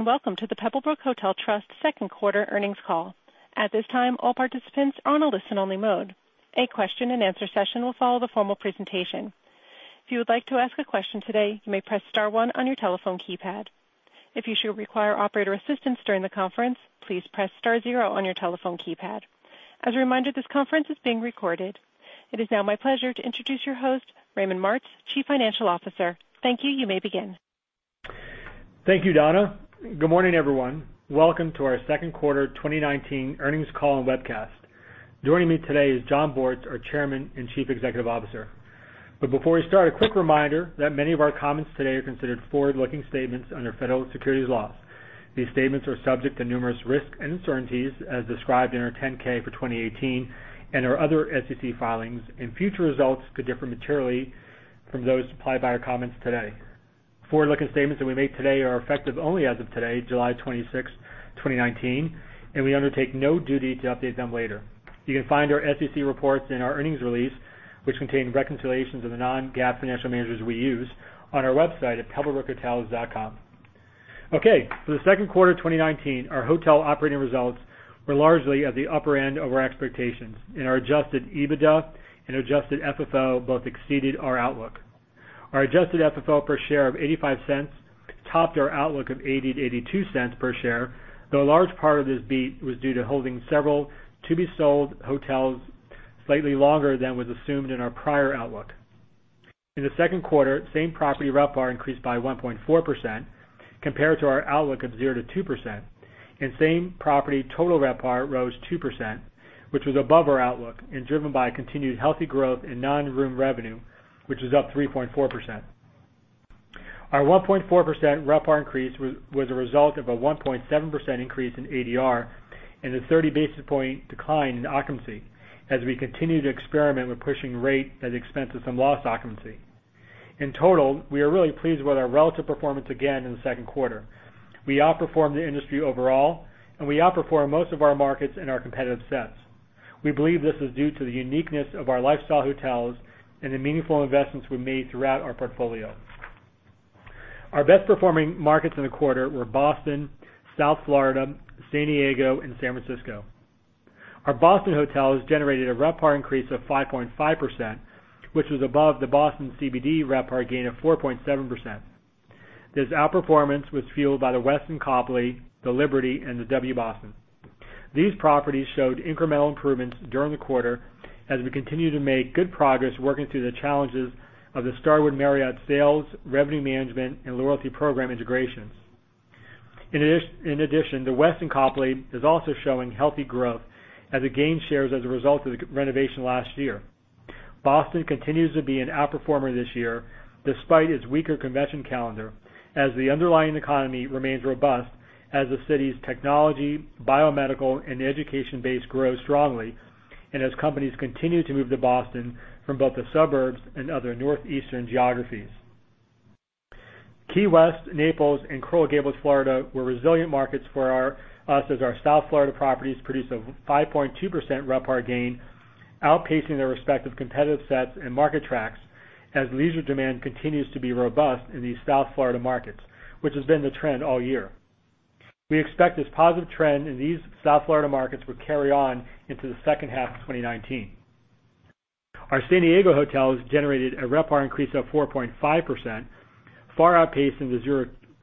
Welcome to the Pebblebrook Hotel Trust second quarter earnings call. At this time, all participants are on a listen-only mode. A question-and-answer session will follow the formal presentation. If you would like to ask a question today, you may press star one on your telephone keypad. If you should require operator assistance during the conference, please press star zero on your telephone keypad. As a reminder, this conference is being recorded. It is now my pleasure to introduce your host, Raymond Martz, Chief Financial Officer. Thank you. You may begin. Thank you, Donna. Good morning, everyone. Welcome to our second quarter 2019 earnings call and webcast. Joining me today is Jon Bortz, our Chairman and Chief Executive Officer. Before we start, a quick reminder that many of our comments today are considered forward-looking statements under federal securities laws. These statements are subject to numerous risks and uncertainties as described in our 10-K for 2018 and our other SEC filings, and future results could differ materially from those supplied by our comments today. Forward-looking statements that we make today are effective only as of today, July 26th, 2019, and we undertake no duty to update them later. You can find our SEC reports in our earnings release, which contain reconciliations of the non-GAAP financial measures we use on our website at pebblebrookhotels.com. Okay. For the second quarter 2019, our hotel operating results were largely at the upper end of our expectations, and our adjusted EBITDA and adjusted FFO both exceeded our outlook. Our adjusted FFO per share of $0.85 topped our outlook of $0.80-$0.82 per share, though a large part of this beat was due to holding several to-be-sold hotels slightly longer than was assumed in our prior outlook. In the second quarter, same property RevPAR increased by 1.4% compared to our outlook of 0%-2%, and same property total RevPAR rose 2%, which was above our outlook and driven by continued healthy growth in non-room revenue, which was up 3.4%. Our 1.4% RevPAR increase was a result of a 1.7% increase in ADR and a 30 basis point decline in occupancy as we continue to experiment with pushing rate at the expense of some lost occupancy. In total, we are really pleased with our relative performance again in the second quarter. We outperformed the industry overall, and we outperformed most of our markets in our competitive sets. We believe this is due to the uniqueness of our lifestyle hotels and the meaningful investments we made throughout our portfolio. Our best-performing markets in the quarter were Boston, South Florida, San Diego, and San Francisco. Our Boston hotels generated a RevPAR increase of 5.5%, which was above the Boston CBD RevPAR gain of 4.7%. This outperformance was fueled by the Westin Copley, the Liberty, and the W Boston. These properties showed incremental improvements during the quarter as we continue to make good progress working through the challenges of the Starwood Marriott sales, revenue management, and loyalty program integrations. In addition, the Westin Copley is also showing healthy growth as it gained shares as a result of the renovation last year. Boston continues to be an outperformer this year, despite its weaker convention calendar, as the underlying economy remains robust as the city's technology, biomedical, and education base grows strongly and as companies continue to move to Boston from both the suburbs and other northeastern geographies. Key West, Naples, and Coral Gables, Florida, were resilient markets for us as our South Florida properties produced a 5.2% RevPAR gain, outpacing their respective competitive sets and market tracks as leisure demand continues to be robust in these South Florida markets, which has been the trend all year. We expect this positive trend in these South Florida markets will carry on into the second half of 2019. Our San Diego hotels generated a RevPAR increase of 4.5%, far outpacing the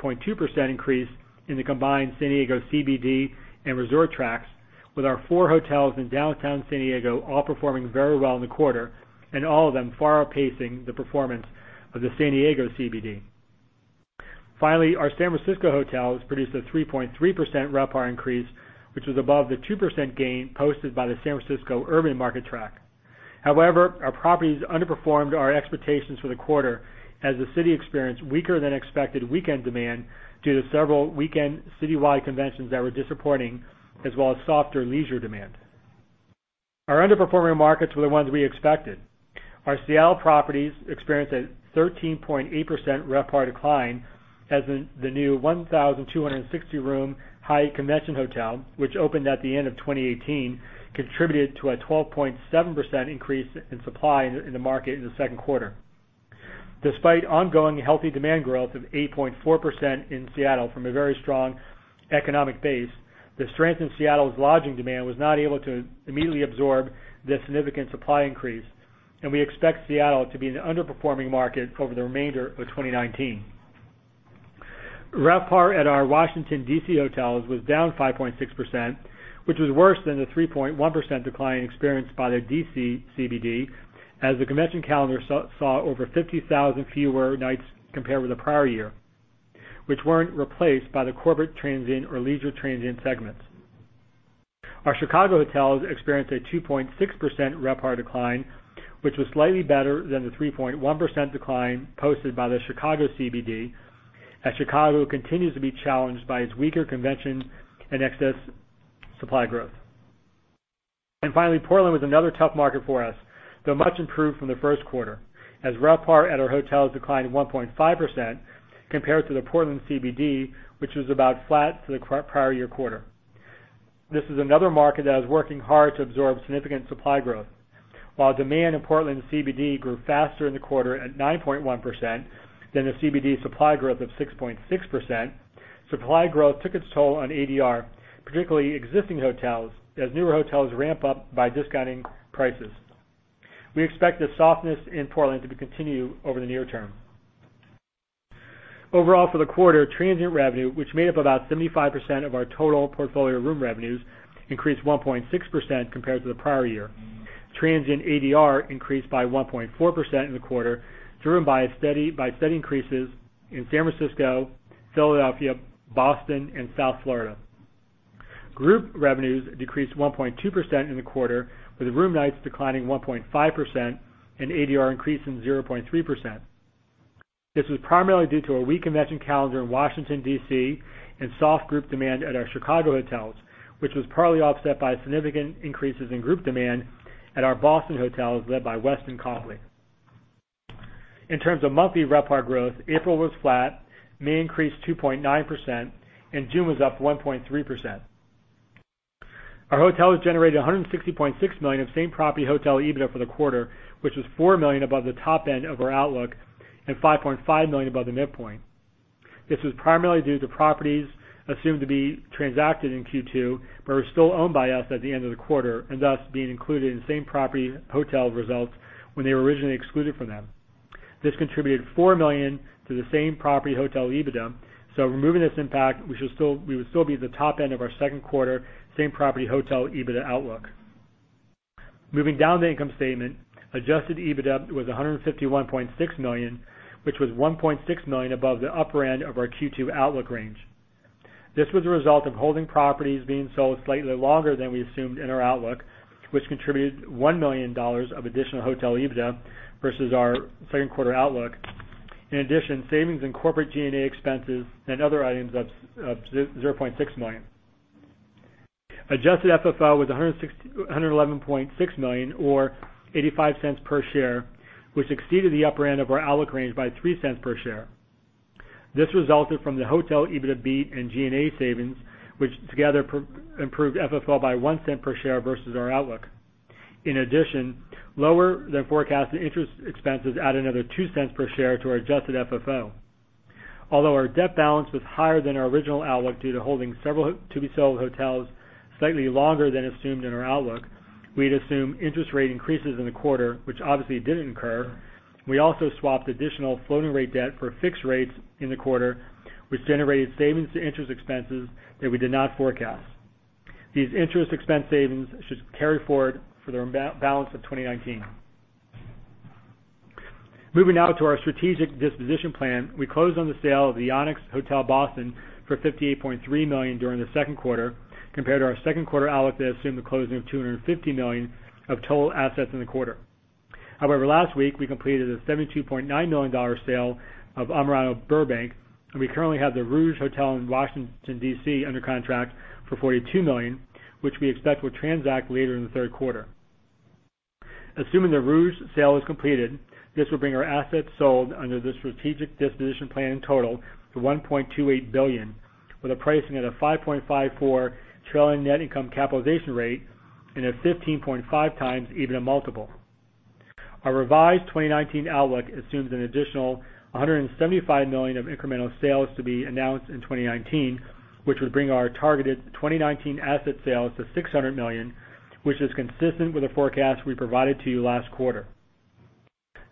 0.2% increase in the combined San Diego CBD and resort tracts with our four hotels in downtown San Diego all performing very well in the quarter, and all of them far outpacing the performance of the San Diego CBD. Finally, our San Francisco hotels produced a 3.3% RevPAR increase, which was above the 2% gain posted by the San Francisco urban market tract. However, our properties underperformed our expectations for the quarter as the city experienced weaker-than-expected weekend demand due to several weekend citywide conventions that were disappointing, as well as softer leisure demand. Our underperforming markets were the ones we expected. Our Seattle properties experienced a 13.8% RevPAR decline as the new 1,260-room Hyatt convention hotel, which opened at the end of 2018, contributed to a 12.7% increase in supply in the market in the second quarter. Despite ongoing healthy demand growth of 8.4% in Seattle from a very strong economic base, the strength in Seattle's lodging demand was not able to immediately absorb this significant supply increase, and we expect Seattle to be an underperforming market over the remainder of 2019. RevPAR at our Washington, D.C., hotels was down 5.6%, which was worse than the 3.1% decline experienced by the D.C. CBD, as the convention calendar saw over 50,000 fewer nights compared with the prior year, which weren't replaced by the corporate transient or leisure transient segments. Our Chicago hotels experienced a 2.6% RevPAR decline, which was slightly better than the 3.1% decline posted by the Chicago CBD, as Chicago continues to be challenged by its weaker convention and excess supply growth. Finally, Portland was another tough market for us, though much improved from the first quarter, as RevPAR at our hotels declined 1.5% compared to the Portland CBD, which was about flat to the prior year quarter. This is another market that is working hard to absorb significant supply growth. While demand in Portland CBD grew faster in the quarter at 9.1% than the CBD supply growth of 6.6%, supply growth took its toll on ADR, particularly existing hotels, as newer hotels ramp up by discounting prices. We expect this softness in Portland to continue over the near term. Overall for the quarter, transient revenue, which made up about 75% of our total portfolio room revenues, increased 1.6% compared to the prior year. Transient ADR increased by 1.4% in the quarter, driven by steady increases in San Francisco, Philadelphia, Boston, and South Florida. Group revenues decreased 1.2% in the quarter, with room nights declining 1.5% and ADR increasing 0.3%. This was primarily due to a weak convention calendar in Washington, D.C., and soft group demand at our Chicago hotels, which was partly offset by significant increases in group demand at our Boston hotels led by Westin Copley. In terms of monthly RevPAR growth, April was flat, May increased 2.9%, and June was up 1.3%. Our hotels generated $160.6 million of same-property hotel EBITDA for the quarter, which was $4 million above the top end of our outlook and $5.5 million above the midpoint. This was primarily due to properties assumed to be transacted in Q2, but were still owned by us at the end of the quarter, and thus being included in same-property hotel results when they were originally excluded from them. This contributed $4 million to the same-property hotel EBITDA, removing this impact, we would still be at the top end of our second quarter same-property hotel EBITDA outlook. Moving down the income statement, adjusted EBITDA was $151.6 million, which was $1.6 million above the upper end of our Q2 outlook range. This was a result of holding properties being sold slightly longer than we assumed in our outlook, which contributed $1 million of additional hotel EBITDA versus our second quarter outlook. In addition, savings in corporate G&A expenses and other items of $0.6 million. Adjusted FFO was $111.6 million, or $0.85 per share, which exceeded the upper end of our outlook range by $0.03 per share. This resulted from the hotel EBITDA beat and G&A savings, which together improved FFO by $0.01 per share versus our outlook. In addition, lower than forecasted interest expenses add another $0.02 per share to our adjusted FFO. Although our debt balance was higher than our original outlook due to holding several to-be-sold hotels slightly longer than assumed in our outlook, we'd assumed interest rate increases in the quarter, which obviously didn't occur. We also swapped additional floating rate debt for fixed rates in the quarter, which generated savings to interest expenses that we did not forecast. These interest expense savings should carry forward for the balance of 2019. Moving now to our strategic disposition plan, we closed on the sale of the Onyx Hotel Boston for $58.3 million during the second quarter, compared to our second quarter outlook that assumed the closing of $250 million of total assets in the quarter. Last week, we completed a $72.9 million sale of Amarano Burbank, and we currently have the Rouge Hotel in Washington, D.C. under contract for $42 million, which we expect will transact later in the third quarter. Assuming the Rouge sale is completed, this will bring our assets sold under the strategic disposition plan in total to $1.28 billion, with a pricing at a 5.54 trailing net income capitalization rate and a 15.5x EBITDA multiple. Our revised 2019 outlook assumes an additional $175 million of incremental sales to be announced in 2019, which would bring our targeted 2019 asset sales to $600 million, which is consistent with the forecast we provided to you last quarter.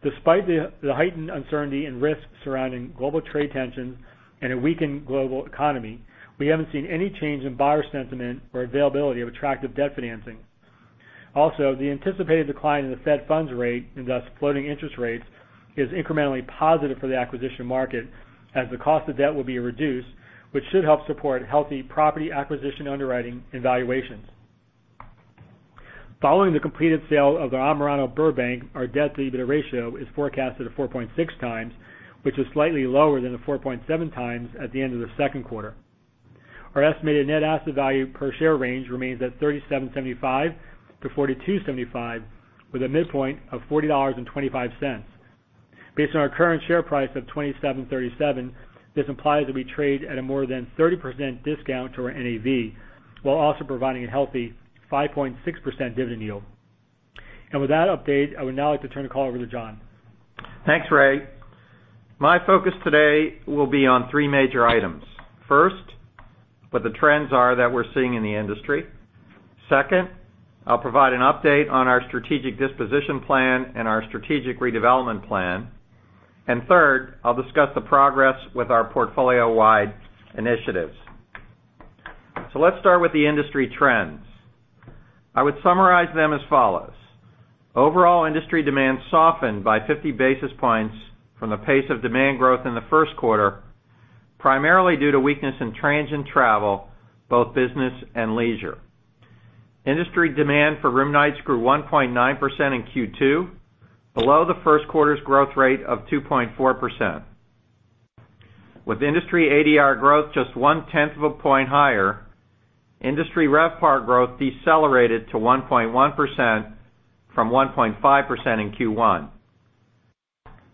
Despite the heightened uncertainty and risks surrounding global trade tensions and a weakened global economy, we haven't seen any change in buyer sentiment or availability of attractive debt financing. The anticipated decline in the Fed funds rate, and thus floating interest rates, is incrementally positive for the acquisition market, as the cost of debt will be reduced, which should help support healthy property acquisition underwriting and valuations. Following the completed sale of the Amarano Burbank, our debt-to-EBITDA ratio is forecasted at 4.6x, which is slightly lower than the 4.7x at the end of the second quarter. Our estimated net asset value per share range remains at $37.75-$42.75, with a midpoint of $40.25. Based on our current share price of $27.37, this implies that we trade at a more than 30% discount to our NAV, while also providing a healthy 5.6% dividend yield. With that update, I would now like to turn the call over to Jon. Thanks, Ray. My focus today will be on three major items. First, what the trends are that we're seeing in the industry. Second, I'll provide an update on our strategic disposition plan and our strategic redevelopment plan. Third, I'll discuss the progress with our portfolio-wide initiatives. Let's start with the industry trends. I would summarize them as follows: Overall industry demand softened by 50 basis points from the pace of demand growth in the first quarter, primarily due to weakness in transient travel, both business and leisure. Industry demand for room nights grew 1.9% in Q2, below the first quarter's growth rate of 2.4%. With industry ADR growth just 1/10 of a point higher, industry RevPAR growth decelerated to 1.1% from 1.5% in Q1.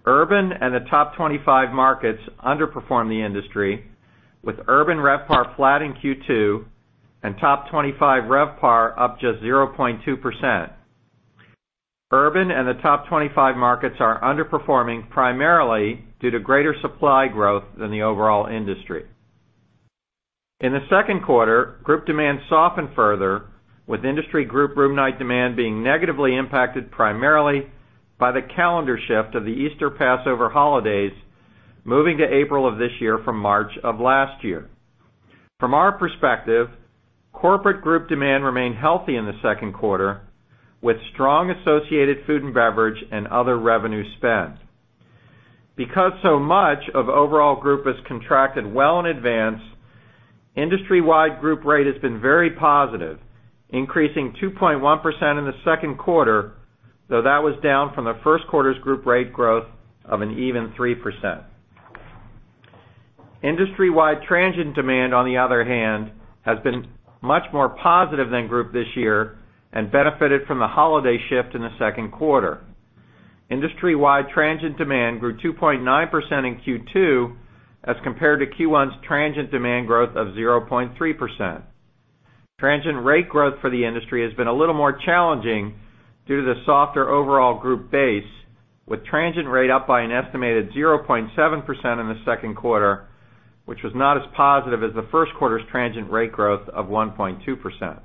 Urban and the top 25 markets underperformed the industry with urban RevPAR flat in Q2 and top 25 RevPAR up just 0.2%. Urban and the top 25 markets are underperforming primarily due to greater supply growth than the overall industry. In the second quarter, group demand softened further with industry group room night demand being negatively impacted primarily by the calendar shift of the Easter Passover holidays moving to April of this year from March of last year. From our perspective, corporate group demand remained healthy in the second quarter, with strong associated food and beverage and other revenue spend. Because so much of overall group is contracted well in advance, industry-wide group rate has been very positive, increasing 2.1% in the second quarter, though that was down from the first quarter's group rate growth of an even 3%. Industry-wide transient demand, on the other hand, has been much more positive than group this year and benefited from the holiday shift in the second quarter. Industry-wide transient demand grew 2.9% in Q2 as compared to Q1's transient demand growth of 0.3%. Transient rate growth for the industry has been a little more challenging due to the softer overall group base, with transient rate up by an estimated 0.7% in the second quarter, which was not as positive as the first quarter's transient rate growth of 1.2%.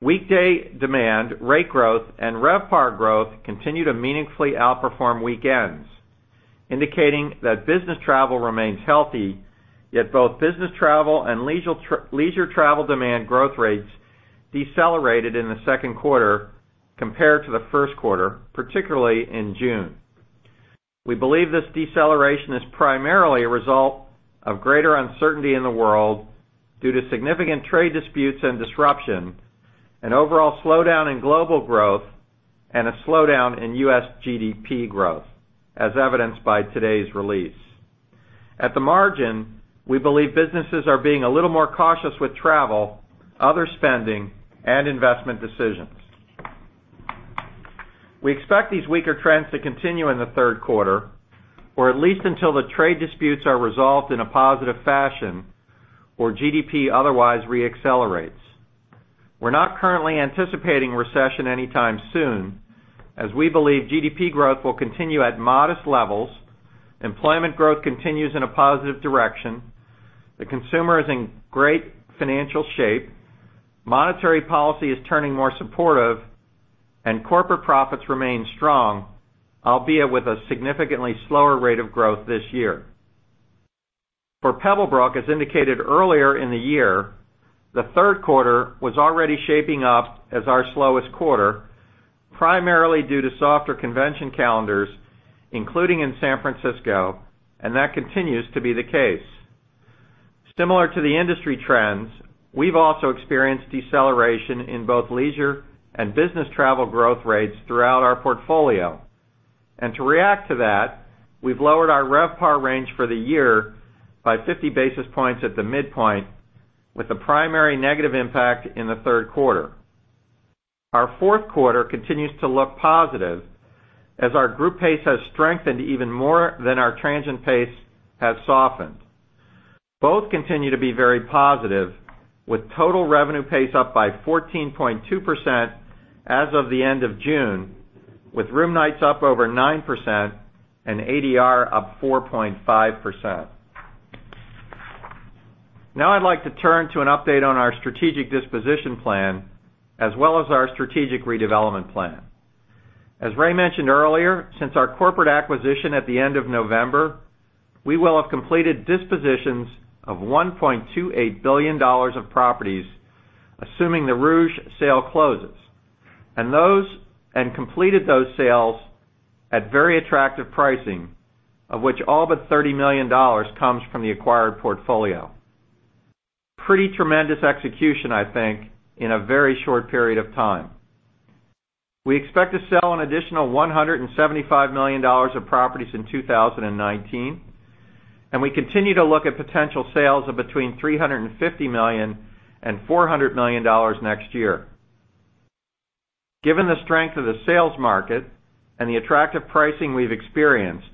Weekday demand, rate growth, and RevPAR growth continue to meaningfully outperform weekends, indicating that business travel remains healthy, yet both business travel and leisure travel demand growth rates decelerated in the second quarter compared to the first quarter, particularly in June. We believe this deceleration is primarily a result of greater uncertainty in the world due to significant trade disputes and disruption, an overall slowdown in global growth, and a slowdown in U.S. GDP growth, as evidenced by today's release. At the margin, we believe businesses are being a little more cautious with travel, other spending, and investment decisions. We expect these weaker trends to continue in the third quarter, or at least until the trade disputes are resolved in a positive fashion or GDP otherwise re-accelerates. We are not currently anticipating recession anytime soon as we believe GDP growth will continue at modest levels, employment growth continues in a positive direction, the consumer is in great financial shape, monetary policy is turning more supportive, and corporate profits remain strong, albeit with a significantly slower rate of growth this year. For Pebblebrook, as indicated earlier in the year, the third quarter was already shaping up as our slowest quarter, primarily due to softer convention calendars, including in San Francisco, and that continues to be the case. Similar to the industry trends, we've also experienced deceleration in both leisure and business travel growth rates throughout our portfolio. To react to that, we've lowered our RevPAR range for the year by 50 basis points at the midpoint, with the primary negative impact in the third quarter. Our fourth quarter continues to look positive as our group pace has strengthened even more than our transient pace has softened. Both continue to be very positive, with total revenue pace up by 14.2% as of the end of June, with room nights up over 9% and ADR up 4.5%. Now I'd like to turn to an update on our strategic disposition plan as well as our strategic redevelopment plan. As Ray mentioned earlier, since our corporate acquisition at the end of November, we will have completed dispositions of $1.28 billion of properties assuming the Rouge Hotel sale closes, and completed those sales at very attractive pricing, of which all but $30 million comes from the acquired portfolio. Pretty tremendous execution, I think, in a very short period of time. We expect to sell an additional $175 million of properties in 2019. We continue to look at potential sales of between $350 million and $400 million next year. Given the strength of the sales market and the attractive pricing we've experienced,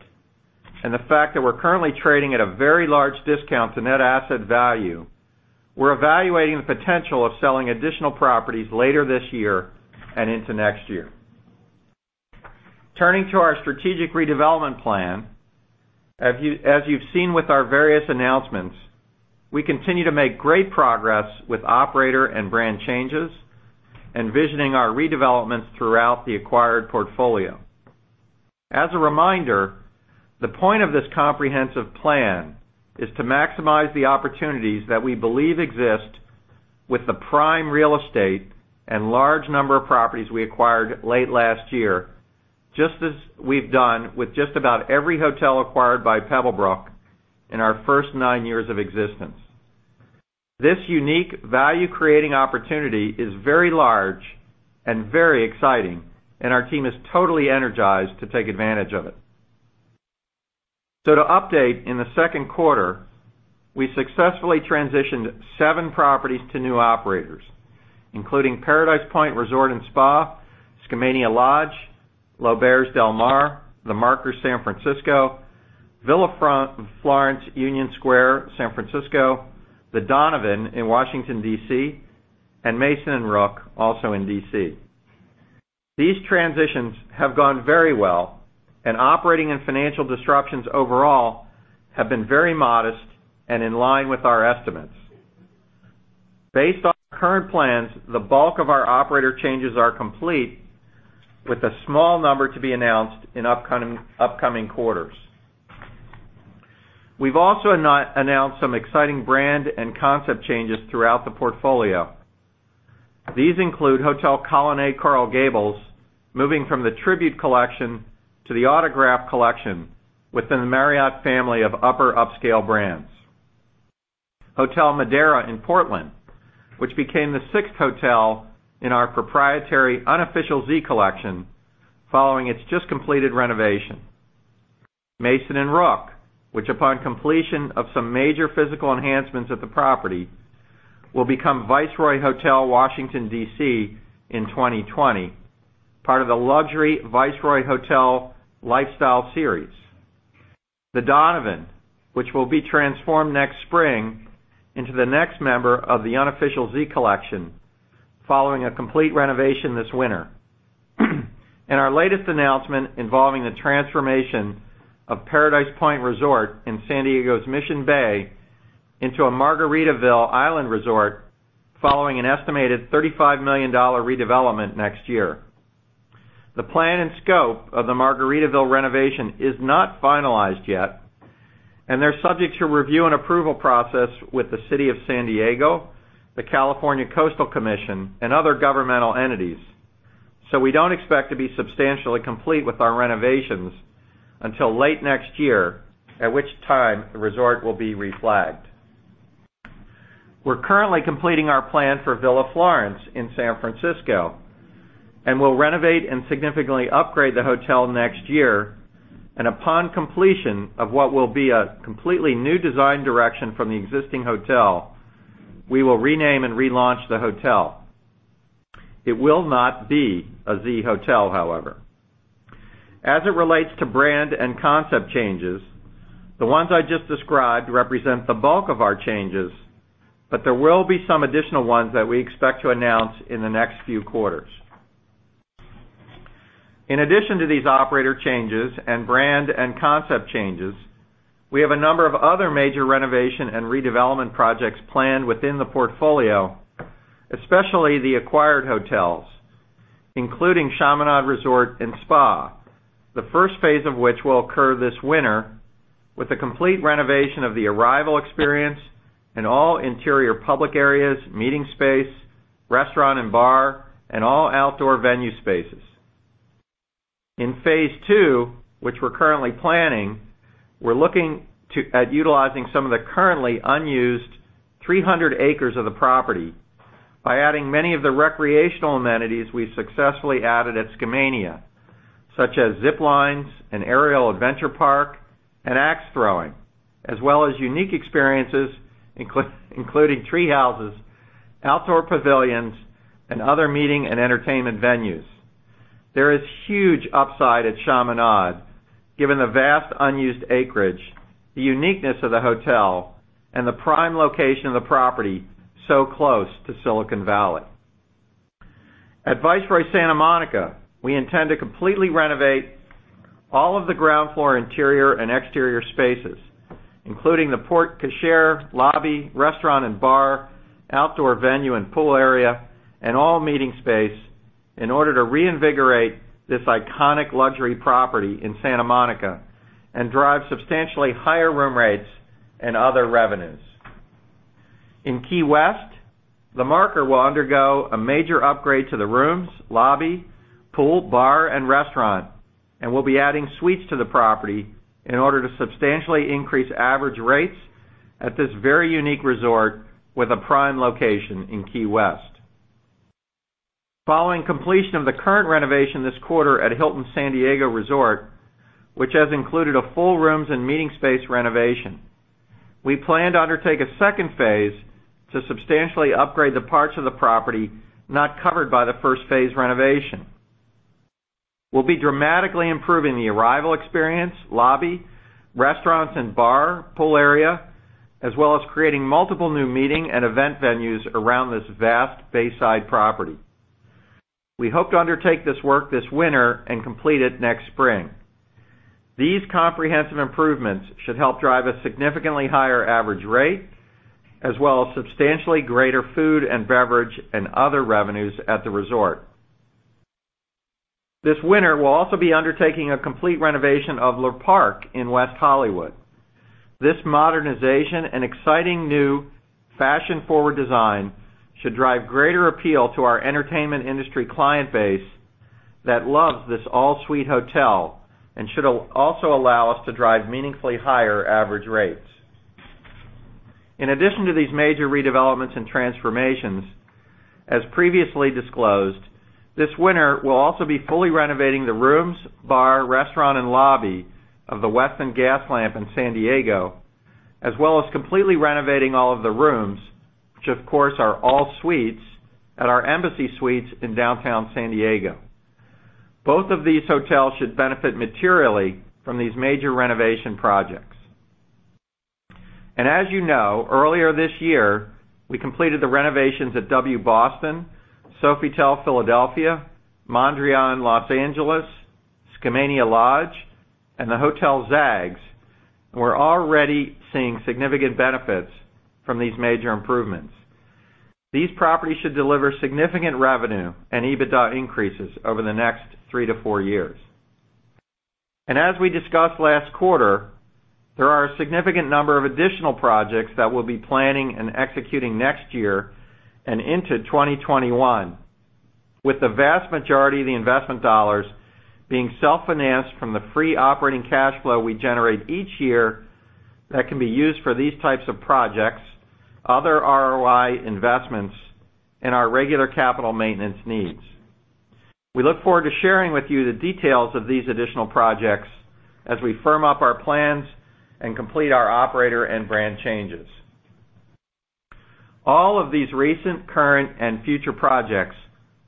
and the fact that we're currently trading at a very large discount to net asset value, we're evaluating the potential of selling additional properties later this year and into next year. Turning to our strategic redevelopment plan, as you've seen with our various announcements, we continue to make great progress with operator and brand changes and visioning our redevelopments throughout the acquired portfolio. As a reminder, the point of this comprehensive plan is to maximize the opportunities that we believe exist with the prime real estate and large number of properties we acquired late last year, just as we've done with just about every hotel acquired by Pebblebrook in our first nine years of existence. This unique value-creating opportunity is very large and very exciting, and our team is totally energized to take advantage of it. To update, in the second quarter, we successfully transitioned seven properties to new operators, including Paradise Point Resort & Spa, Skamania Lodge, L'Auberge Del Mar, The Marker San Francisco, Villa Florence Union Square San Francisco, The Donovan in Washington, D.C., and Mason & Rook, also in D.C. These transitions have gone very well, and operating and financial disruptions overall have been very modest and in line with our estimates. Based on current plans, the bulk of our operator changes are complete, with a small number to be announced in upcoming quarters. We've also announced some exciting brand and concept changes throughout the portfolio. These include Hotel Colonnade Coral Gables moving from the Tribute Portfolio to the Autograph Collection within the Marriott family of upper upscale brands. Hotel Modera in Portland, which became the sixth hotel in our proprietary Unofficial Z Collection following its just-completed renovation. Mason & Rook, which upon completion of some major physical enhancements of the property, will become Viceroy Washington DC in 2020, part of the luxury Viceroy lifestyle series. The Donovan, which will be transformed next spring into the next member of the Unofficial Z Collection following a complete renovation this winter. Our latest announcement involving the transformation of Paradise Point Resort in San Diego's Mission Bay into a Margaritaville Island Resort following an estimated $35 million redevelopment next year. The plan and scope of the Margaritaville renovation is not finalized yet, and they're subject to review and approval process with the City of San Diego, the California Coastal Commission, and other governmental entities. We don't expect to be substantially complete with our renovations until late next year, at which time the resort will be reflagged. We're currently completing our plan for Villa Florence in San Francisco, and we'll renovate and significantly upgrade the hotel next year. Upon completion of what will be a completely new design direction from the existing hotel, we will rename and relaunch the hotel. It will not be a Z Hotel, however. As it relates to brand and concept changes, the ones I just described represent the bulk of our changes, but there will be some additional ones that we expect to announce in the next few quarters. In addition to these operator changes and brand and concept changes, we have a number of other major renovation and redevelopment projects planned within the portfolio, especially the acquired hotels, including Chaminade Resort & Spa, the first phase of which will occur this winter with a complete renovation of the arrival experience in all interior public areas, meeting space, restaurant and bar, and all outdoor venue spaces. In phase 2, which we're currently planning, we're looking at utilizing some of the currently unused 300 acres of the property by adding many of the recreational amenities we successfully added at Skamania, such as zip lines, an aerial adventure park, and ax throwing, as well as unique experiences including tree houses, outdoor pavilions, and other meeting and entertainment venues. There is huge upside at Chaminade given the vast unused acreage, the uniqueness of the hotel, and the prime location of the property so close to Silicon Valley. At Viceroy Santa Monica, we intend to completely renovate all of the ground floor interior and exterior spaces, including the porte-cochere, lobby, restaurant and bar, outdoor venue and pool area, and all meeting space in order to reinvigorate this iconic luxury property in Santa Monica and drive substantially higher room rates and other revenues. In Key West, The Marker will undergo a major upgrade to the rooms, lobby, pool, bar, and restaurant, and we will be adding suites to the property in order to substantially increase average rates at this very unique resort with a prime location in Key West. Following completion of the current renovation this quarter at Paradise Point Resort & Spa, which has included a full rooms and meeting space renovation, we plan to undertake a second phase to substantially upgrade the parts of the property not covered by the first phase renovation. We'll be dramatically improving the arrival experience, lobby, restaurants and bar, pool area, as well as creating multiple new meeting and event venues around this vast Bayside property. We hope to undertake this work this winter and complete it next spring. These comprehensive improvements should help drive a significantly higher average rate as well as substantially greater food and beverage and other revenues at the resort. This winter, we'll also be undertaking a complete renovation of Le Parc in West Hollywood. This modernization and exciting new fashion-forward design should drive greater appeal to our entertainment industry client base that loves this all-suite hotel and should also allow us to drive meaningfully higher average rates. In addition to these major redevelopments and transformations, as previously disclosed, this winter we'll also be fully renovating the rooms, bar, restaurant, and lobby of the Westin Gaslamp in San Diego, as well as completely renovating all of the rooms, which, of course, are all suites at our Embassy Suites in downtown San Diego. Both of these hotels should benefit materially from these major renovation projects. As you know, earlier this year, we completed the renovations at W Boston, Sofitel Philadelphia, Mondrian Los Angeles, Skamania Lodge, and the Hotel Zags. We're already seeing significant benefits from these major improvements. These properties should deliver significant revenue and EBITDA increases over the next three to four years. As we discussed last quarter, there are a significant number of additional projects that we'll be planning and executing next year and into 2021, with the vast majority of the investment dollars being self-financed from the free operating cash flow we generate each year that can be used for these types of projects, other ROI investments, and our regular capital maintenance needs. We look forward to sharing with you the details of these additional projects as we firm up our plans and complete our operator and brand changes. All of these recent, current, and future projects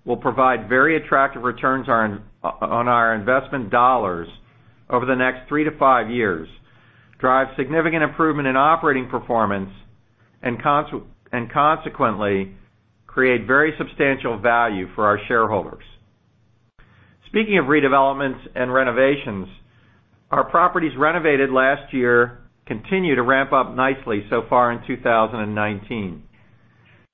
will provide very attractive returns on our investment dollars over the next three to five years, drive significant improvement in operating performance, and consequently, create very substantial value for our shareholders. Speaking of redevelopments and renovations, our properties renovated last year continue to ramp up nicely so far in 2019.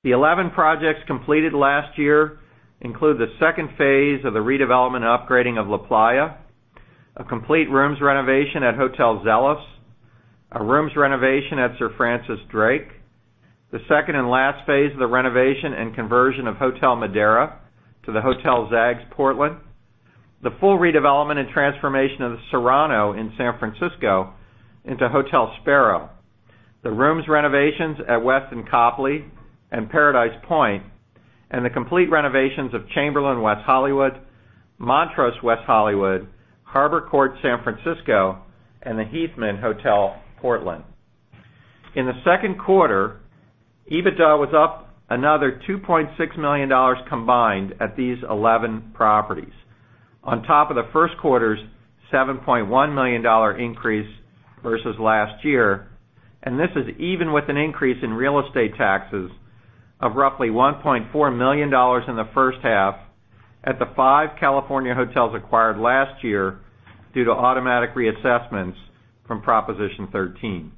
The 11 projects completed last year include the second phase of the redevelopment and upgrading of La Playa, a complete rooms renovation at Hotel Zelos, a rooms renovation at Sir Francis Drake, the second and last phase of the renovation and conversion of Hotel Modera to the Hotel Zags Portland, the full redevelopment and transformation of the Serrano in San Francisco into Hotel Spero, the rooms renovations at Westin Copley Place and Paradise Point, and the complete renovations of Chamberlain West Hollywood, Montrose West Hollywood, Harbor Court San Francisco, and The Heathman Hotel Portland. In the second quarter, EBITDA was up another $2.6 million combined at these 11 properties on top of the first quarter's $7.1 million increase versus last year, and this is even with an increase in real estate taxes of roughly $1.4 million in the first half at the five California hotels acquired last year due to automatic reassessments from Proposition 13.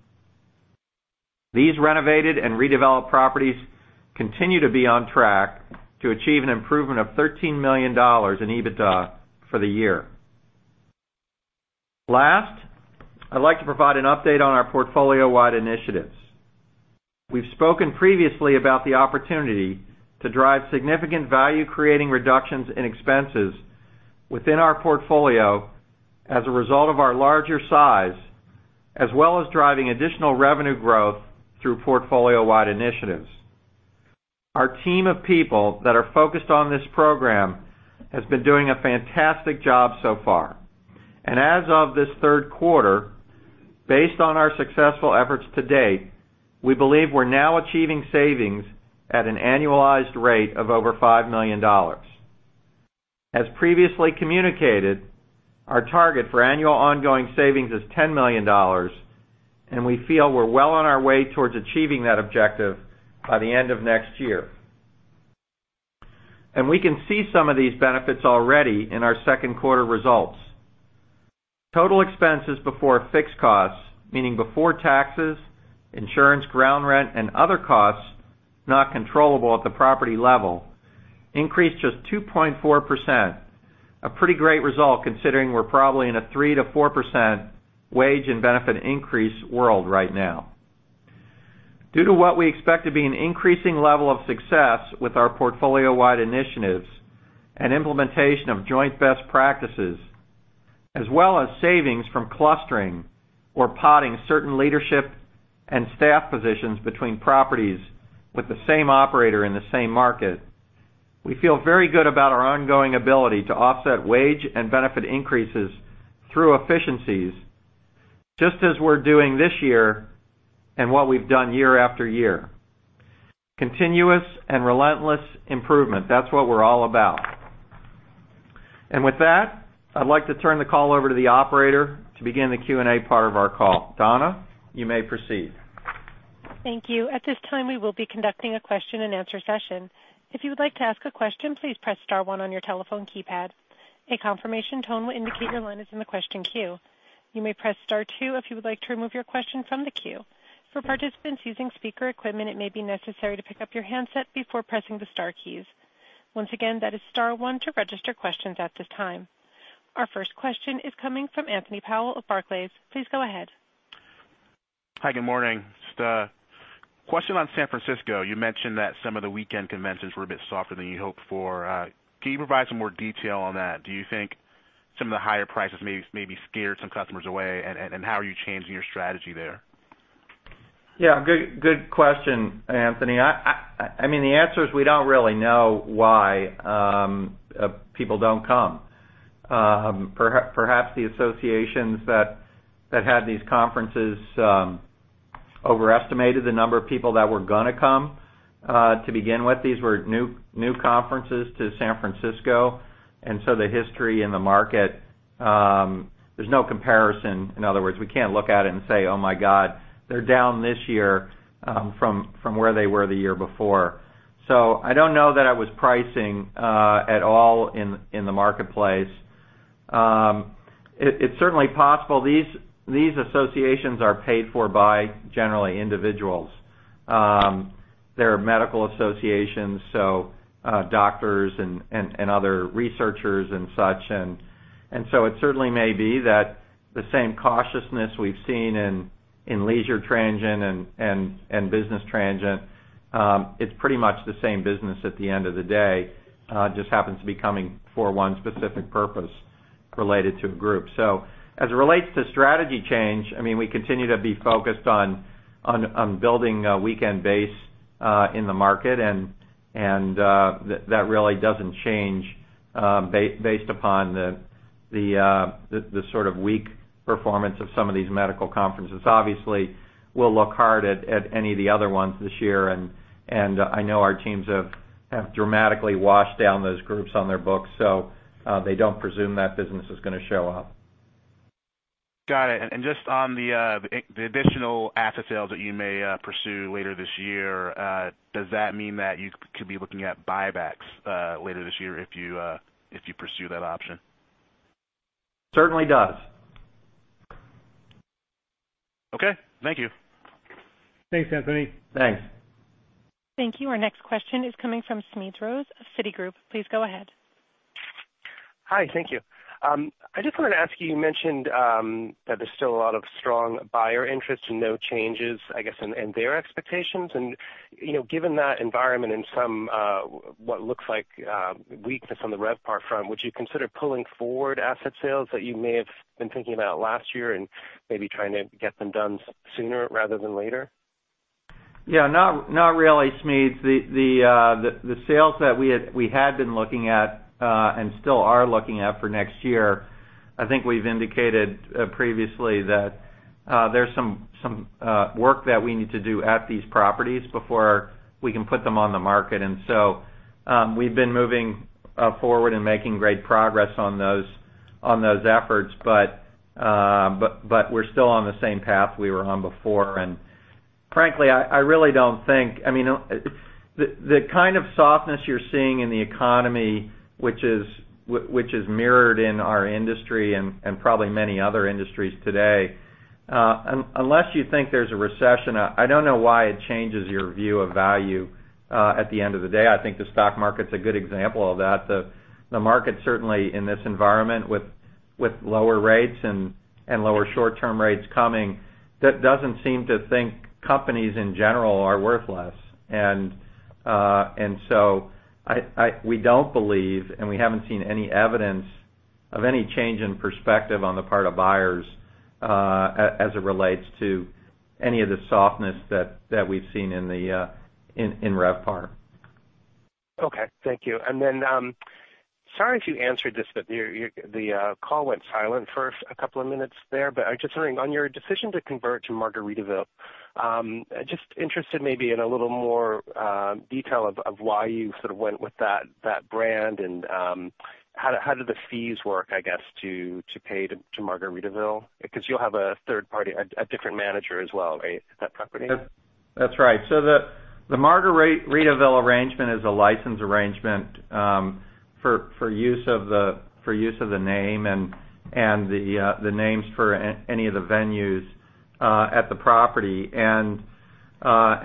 These renovated and redeveloped properties continue to be on track to achieve an improvement of $13 million in EBITDA for the year. Last, I'd like to provide an update on our portfolio-wide initiatives. We've spoken previously about the opportunity to drive significant value-creating reductions in expenses within our portfolio as a result of our larger size, as well as driving additional revenue growth through portfolio-wide initiatives. Our team of people that are focused on this program has been doing a fantastic job so far. As of this third quarter, based on our successful efforts to date, we believe we're now achieving savings at an annualized rate of over $5 million. As previously communicated, our target for annual ongoing savings is $10 million, and we feel we're well on our way towards achieving that objective by the end of next year. We can see some of these benefits already in our second quarter results. Total expenses before fixed costs, meaning before taxes, insurance, ground rent, and other costs not controllable at the property level, increased just 2.4%, a pretty great result considering we're probably in a 3%-4% wage and benefit increase world right now. Due to what we expect to be an increasing level of success with our portfolio-wide initiatives and implementation of joint best practices, as well as savings from clustering or podding certain leadership and staff positions between properties with the same operator in the same market, we feel very good about our ongoing ability to offset wage and benefit increases through efficiencies, just as we're doing this year and what we've done year-after-year. Continuous and relentless improvement, that's what we're all about. With that, I'd like to turn the call over to the operator to begin the Q&A part of our call. Donna, you may proceed. Thank you. At this time, we will be conducting a question-and-answer session. If you would like to ask a question, please press star one on your telephone keypad. A confirmation tone will indicate your line is in the question queue. You may press star two if you would like to remove your question from the queue. For participants using speaker equipment, it may be necessary to pick up your handset before pressing the star keys. Once again, that is star one to register questions at this time. Our first question is coming from Anthony Powell of Barclays. Please go ahead. Hi, good morning. Just a question on San Francisco. You mentioned that some of the weekend conventions were a bit softer than you hoped for. Can you provide some more detail on that? Do you think some of the higher prices maybe scared some customers away, and how are you changing your strategy there? Yeah. Good question, Anthony. The answer is we don't really know why people don't come. Perhaps the associations that had these conferences overestimated the number of people that were going to come to begin with. These were new conferences to San Francisco. The history in the market, there's no comparison. In other words, we can't look at it and say, "Oh my God, they're down this year from where they were the year before." I don't know that it was pricing at all in the marketplace. It's certainly possible. These associations are paid for by generally individuals. They're medical associations, so doctors and other researchers and such. It certainly may be that the same cautiousness we've seen in leisure transient and business transient, it's pretty much the same business at the end of the day. Just happens to be coming for one specific purpose related to a group. As it relates to strategy change, we continue to be focused on building a weekend base in the market, and that really doesn't change based upon the sort of weak performance of some of these medical conferences. Obviously, we'll look hard at any of the other ones this year, and I know our teams have dramatically washed down those groups on their books, so they don't presume that business is going to show up. Got it. Just on the additional asset sales that you may pursue later this year, does that mean that you could be looking at buybacks later this year if you pursue that option? Certainly does. Okay. Thank you. Thanks, Anthony. Thanks. Thank you. Our next question is coming from Smedes Rose, Citigroup. Please go ahead. Hi. Thank you. I just wanted to ask you mentioned that there's still a lot of strong buyer interest and no changes, I guess, in their expectations. Given that environment and some what looks like weakness on the RevPAR front, would you consider pulling forward asset sales that you may have been thinking about last year and maybe trying to get them done sooner rather than later? Yeah. Not really, Smedes. The sales that we had been looking at, and still are looking at for next year, I think we've indicated previously that there's some work that we need to do at these properties before we can put them on the market. We've been moving forward and making great progress on those efforts, but we're still on the same path we were on before. Frankly, the kind of softness you're seeing in the economy, which is mirrored in our industry and probably many other industries today, unless you think there's a recession, I don't know why it changes your view of value. At the end of the day, I think the stock market's a good example of that. The market certainly in this environment with lower rates and lower short-term rates coming, that doesn't seem to think companies in general are worth less. We don't believe, and we haven't seen any evidence of any change in perspective on the part of buyers as it relates to any of the softness that we've seen in RevPAR. Okay, thank you. Sorry if you answered this, but the call went silent for a couple of minutes there. I was just wondering, on your decision to convert to Margaritaville, just interested maybe in a little more detail of why you sort of went with that brand and how did the fees work, I guess, to pay to Margaritaville? Because you'll have a different manager as well, right? At that property. That's right. The Margaritaville arrangement is a license arrangement for use of the name and the names for any of the venues at the property, and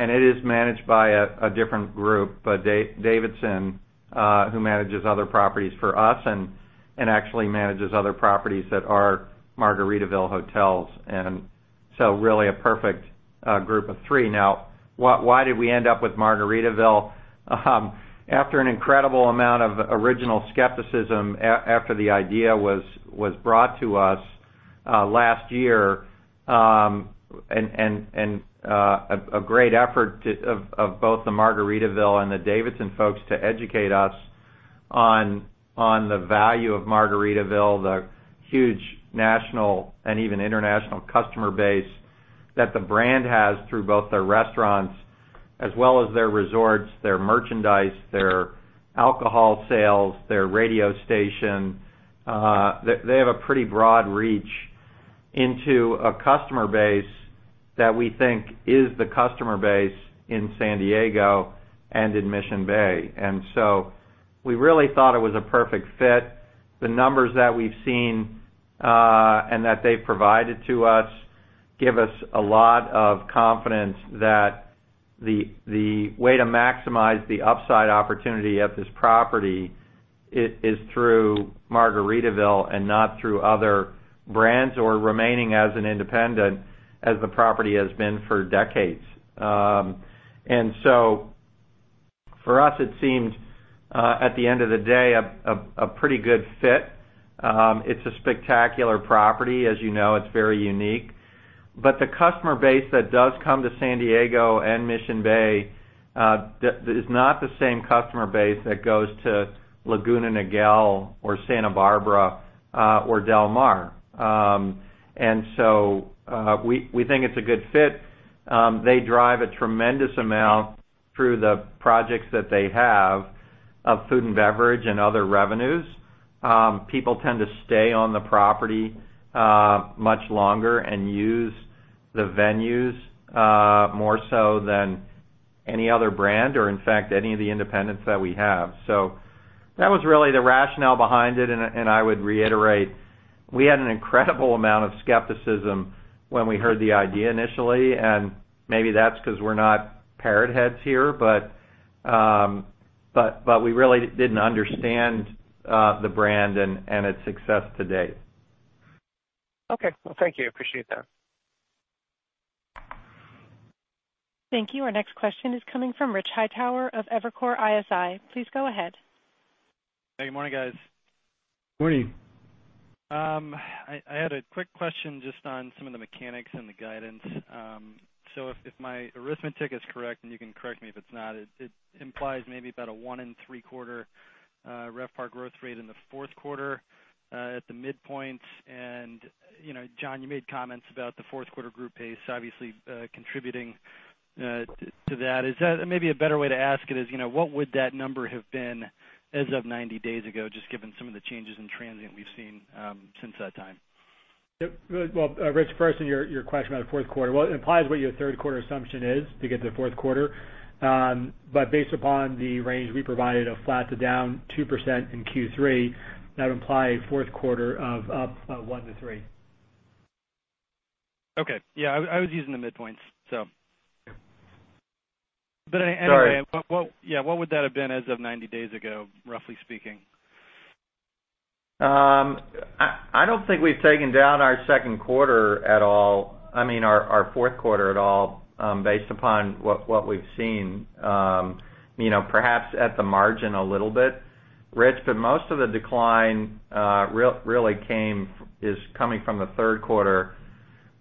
it is managed by a different group, by Davidson, who manages other properties for us and actually manages other properties that are Margaritaville hotels. Really a perfect group of three. Now, why did we end up with Margaritaville? After an incredible amount of original skepticism after the idea was brought to us last year, and a great effort of both the Margaritaville and the Davidson folks to educate us on the value of Margaritaville, the huge national and even international customer base that the brand has through both their restaurants as well as their resorts, their merchandise, their alcohol sales, their radio station. They have a pretty broad reach into a customer base that we think is the customer base in San Diego and in Mission Bay. We really thought it was a perfect fit. The numbers that we've seen, and that they've provided to us, give us a lot of confidence that the way to maximize the upside opportunity at this property is through Margaritaville and not through other brands or remaining as an independent, as the property has been for decades. For us, it seemed, at the end of the day, a pretty good fit. It's a spectacular property. As you know, it's very unique. The customer base that does come to San Diego and Mission Bay is not the same customer base that goes to Laguna Niguel or Santa Barbara, or Del Mar. We think it's a good fit. They drive a tremendous amount through the projects that they have of food and beverage and other revenues. People tend to stay on the property much longer and use the venues more so than any other brand or in fact, any of the independents that we have. That was really the rationale behind it, and I would reiterate, we had an incredible amount of skepticism when we heard the idea initially, and maybe that's because we're not Parrot Heads here, but we really didn't understand the brand and its success to date. Okay. Well, thank you. Appreciate that. Thank you. Our next question is coming from Rich Hightower of Evercore ISI. Please go ahead. Hey, good morning, guys. Morning. I had a quick question just on some of the mechanics and the guidance. If my arithmetic is correct, and you can correct me if it's not, it implies maybe about a one and three-quarter RevPAR growth rate in the fourth quarter, at the midpoint. Jon, you made comments about the fourth quarter group pace obviously contributing to that. Maybe a better way to ask it is, what would that number have been as of 90 days ago, just given some of the changes in transient we've seen since that time? Well, Rich, first thing, your question about fourth quarter. Well, it implies what your third quarter assumption is to get to the fourth quarter. Based upon the range we provided of flat to down 2% in Q3, that would imply a fourth quarter of up 1%-3%. Okay. Yeah, I was using the midpoints. Sorry. Yeah. What would that have been as of 90 days ago, roughly speaking? I don't think we've taken down our second quarter at all, I mean our fourth quarter at all, based upon what we've seen. Perhaps at the margin a little bit, Rich, but most of the decline really is coming from the third quarter,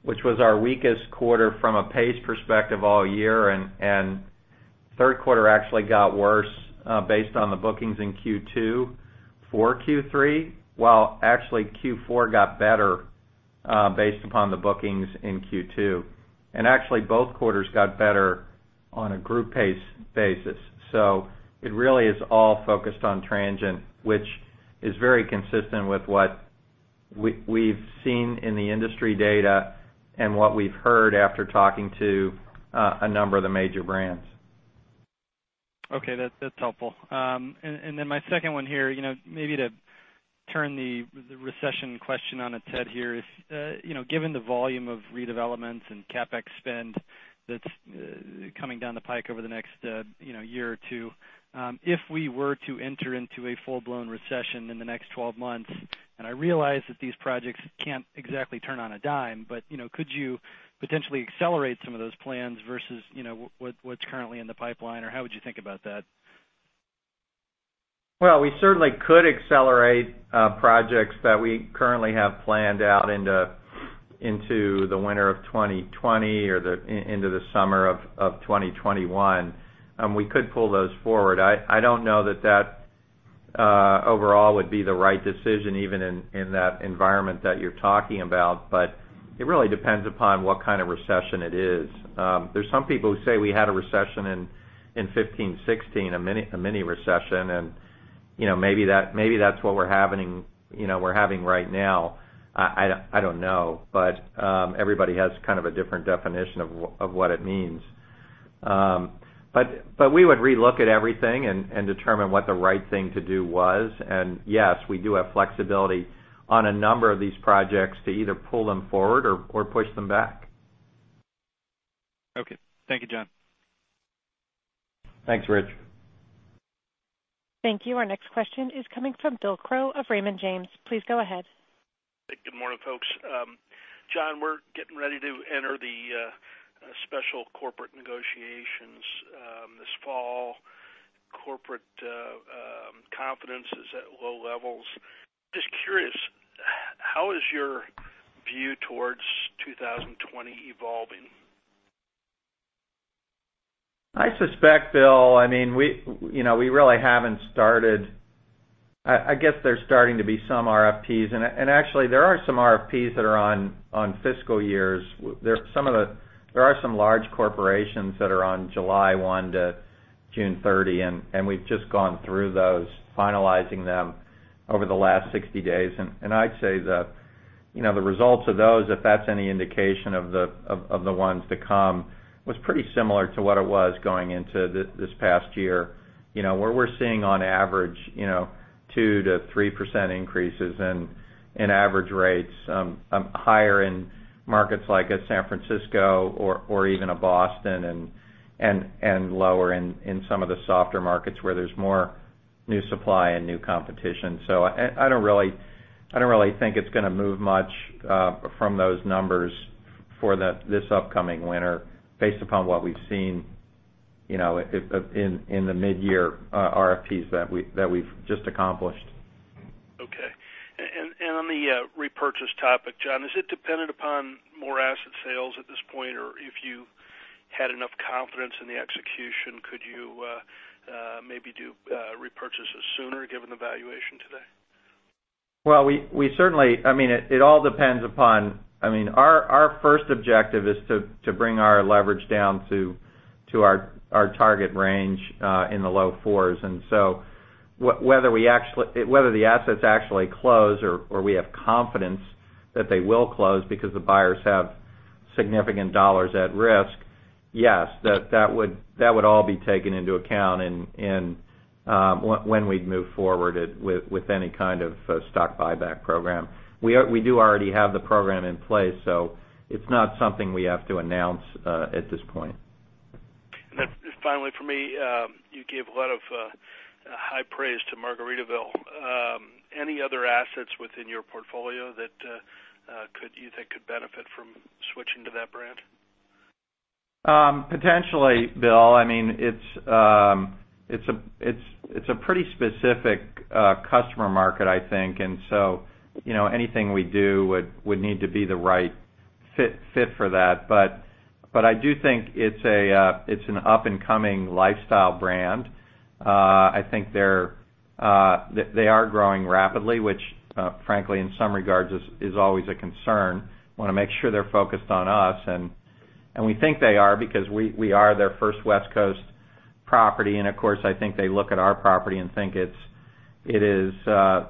which was our weakest quarter from a pace perspective all year, and third quarter actually got worse, based on the bookings in Q2 for Q3, while actually Q4 got better based upon the bookings in Q2. Actually, both quarters got better on a group pace basis. It really is all focused on transient, which is very consistent with what we've seen in the industry data and what we've heard after talking to a number of the major brands. Okay, that's helpful. My second one here, maybe to turn the recession question on its head here is, given the volume of redevelopments and CapEx spend that's coming down the pike over the next year or two, if we were to enter into a full-blown recession in the next 12 months, and I realize that these projects can't exactly turn on a dime, but could you potentially accelerate some of those plans versus what's currently in the pipeline, or how would you think about that? Well, we certainly could accelerate projects that we currently have planned out into the winter of 2020 or into the summer of 2021. We could pull those forward. I don't know that that overall would be the right decision, even in that environment that you're talking about, but it really depends upon what kind of recession it is. There's some people who say we had a recession in 2015, 2016, a mini recession, and maybe that's what we're having right now. I don't know. Everybody has kind of a different definition of what it means. We would re-look at everything and determine what the right thing to do was, and yes, we do have flexibility on a number of these projects to either pull them forward or push them back. Okay. Thank you, Jon. Thanks, Rich. Thank you. Our next question is coming from Bill Crow of Raymond James. Please go ahead. Good morning, folks. Jon, we're getting ready to enter the special corporate negotiations this fall. Corporate confidence is at low levels. Just curious, how is your view towards 2020 evolving? I suspect, Bill, we really haven't started. I guess there's starting to be some RFPs. Actually, there are some RFPs that are on fiscal years. There are some large corporations that are on July 1-June 30. We've just gone through those, finalizing them over the last 60 days. I'd say that the results of those, if that's any indication of the ones to come, was pretty similar to what it was going into this past year, where we're seeing on average 2%-3% increases in average rates, higher in markets like a San Francisco or even a Boston and lower in some of the softer markets where there's more new supply and new competition. I don't really think it's going to move much from those numbers for this upcoming winter based upon what we've seen in the mid-year RFPs that we've just accomplished. Okay. On the repurchase topic, Jon, is it dependent upon more asset sales at this point? Or if you had enough confidence in the execution, could you maybe do repurchases sooner given the valuation today? Well, it all depends upon our first objective is to bring our leverage down to our target range, in the low fours. Whether the assets actually close or we have confidence that they will close because the buyers have significant dollars at risk, yes, that would all be taken into account when we'd move forward with any kind of stock buyback program. We do already have the program in place, it's not something we have to announce at this point. Just finally from me, you gave a lot of high praise to Margaritaville. Any other assets within your portfolio that you think could benefit from switching to that brand? Potentially, Bill. It's a pretty specific customer market, I think. Anything we do would need to be the right fit for that. I do think it's an up-and-coming lifestyle brand. I think they are growing rapidly, which frankly, in some regards is always a concern. We want to make sure they're focused on us, and we think they are because we are their first West Coast property, and of course, I think they look at our property and think it's the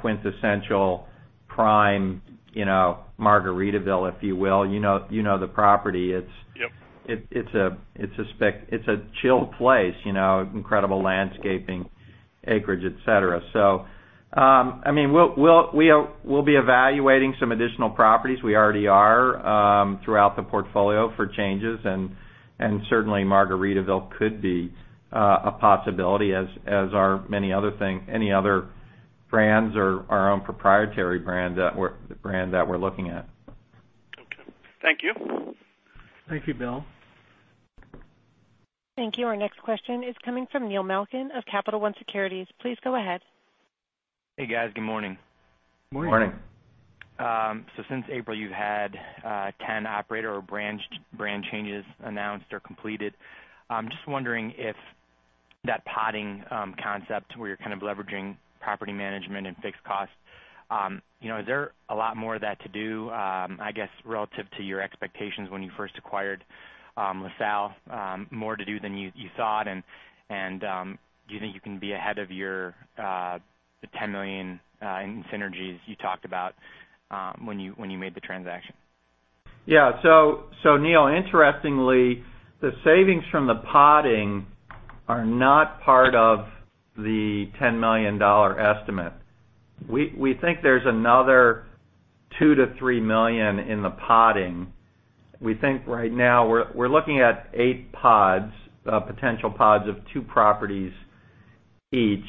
quintessential prime Margaritaville, if you will. You know the property. Yep. It's a chilled place, incredible landscaping, acreage, et cetera. We'll be evaluating some additional properties. We already are throughout the portfolio for changes, and certainly Margaritaville could be a possibility, as are many other things, any other brands or our own proprietary brand that we're looking at. Okay. Thank you. Thank you, Bill. Thank you. Our next question is coming from Neil Malkin of Capital One Securities. Please go ahead. Hey, guys. Good morning. Morning. Morning. Since April you've had 10 operator or brand changes announced or completed. Just wondering if that podding concept, where you're kind of leveraging property management and fixed costs, is there a lot more of that to do, I guess, relative to your expectations when you first acquired LaSalle, more to do than you thought? Do you think you can be ahead of your $10 million in synergies you talked about when you made the transaction? Neil, interestingly, the savings from the podding are not part of the $10 million estimate. We think there's another $2 million-$3 million in the podding. We think right now we're looking at eight potential pods of two properties each.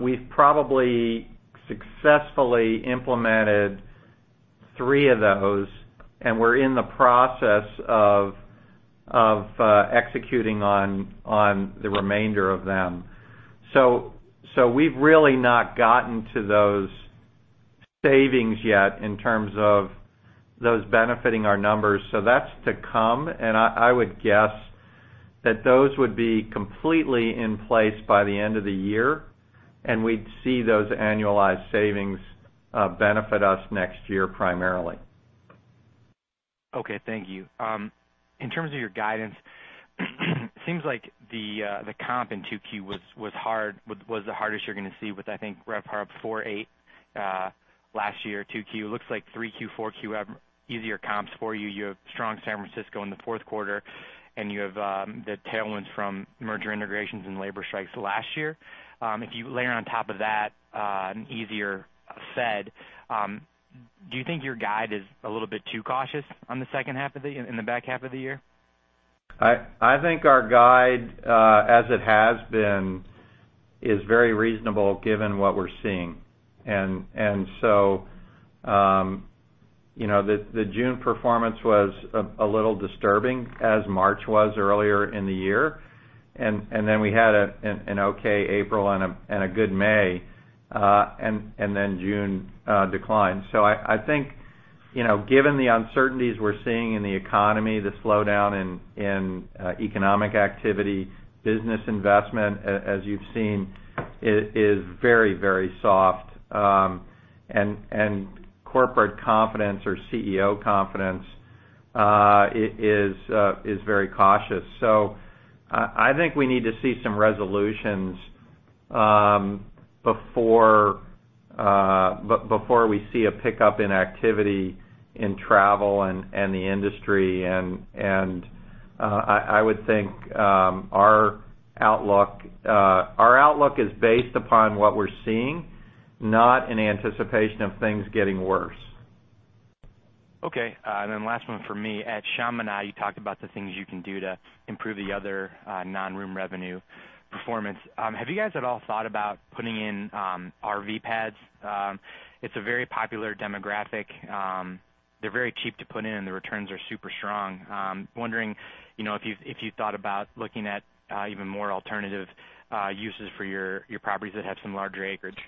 We've probably successfully implemented three of those. We're in the process of executing on the remainder of them. We've really not gotten to those savings yet in terms of those benefiting our numbers. That's to come. I would guess that those would be completely in place by the end of the year. We'd see those annualized savings benefit us next year primarily. Okay, thank you. In terms of your guidance, seems like the comp in 2Q was the hardest you're going to see with, I think, RevPAR up 4.8% last year, Q2. Looks like Q3, Q4, easier comps for you. You have strong San Francisco in the fourth quarter, and you have the tailwinds from merger integrations and labor strikes last year. If you layer on top of that an easier Fed, do you think your guide is a little bit too cautious in the back half of the year? I think our guide, as it has been, is very reasonable given what we're seeing. The June performance was a little disturbing, as March was earlier in the year. We had an okay April and a good May, and then June declined. I think, given the uncertainties we're seeing in the economy, the slowdown in economic activity, business investment, as you've seen, is very soft. Corporate confidence or CEO confidence is very cautious. I think we need to see some resolutions before we see a pickup in activity in travel and the industry, and I would think our outlook is based upon what we're seeing, not in anticipation of things getting worse. Okay. Last one from me. At Chaminade, you talked about the things you can do to improve the other non-room revenue performance. Have you guys at all thought about putting in RV pads? It's a very popular demographic. They're very cheap to put in, and the returns are super strong. I'm wondering if you thought about looking at even more alternative uses for your properties that have some larger acreage.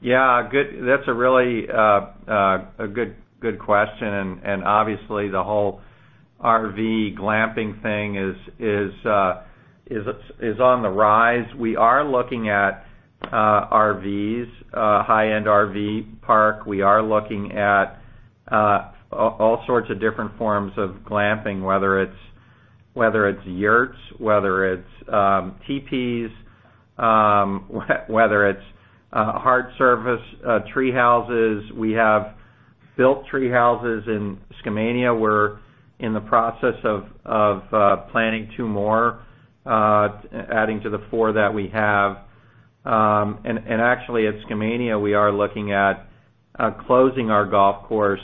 Yeah. That's a really good question, and obviously, the whole RV glamping thing is on the rise. We are looking at RVs, a high-end RV park. We are looking at all sorts of different forms of glamping, whether it's yurts, whether it's teepees, whether it's hard surface tree houses. We have built tree houses in Skamania. We're in the process of planning two more, adding to the four that we have. Actually at Skamania, we are looking at closing our golf course,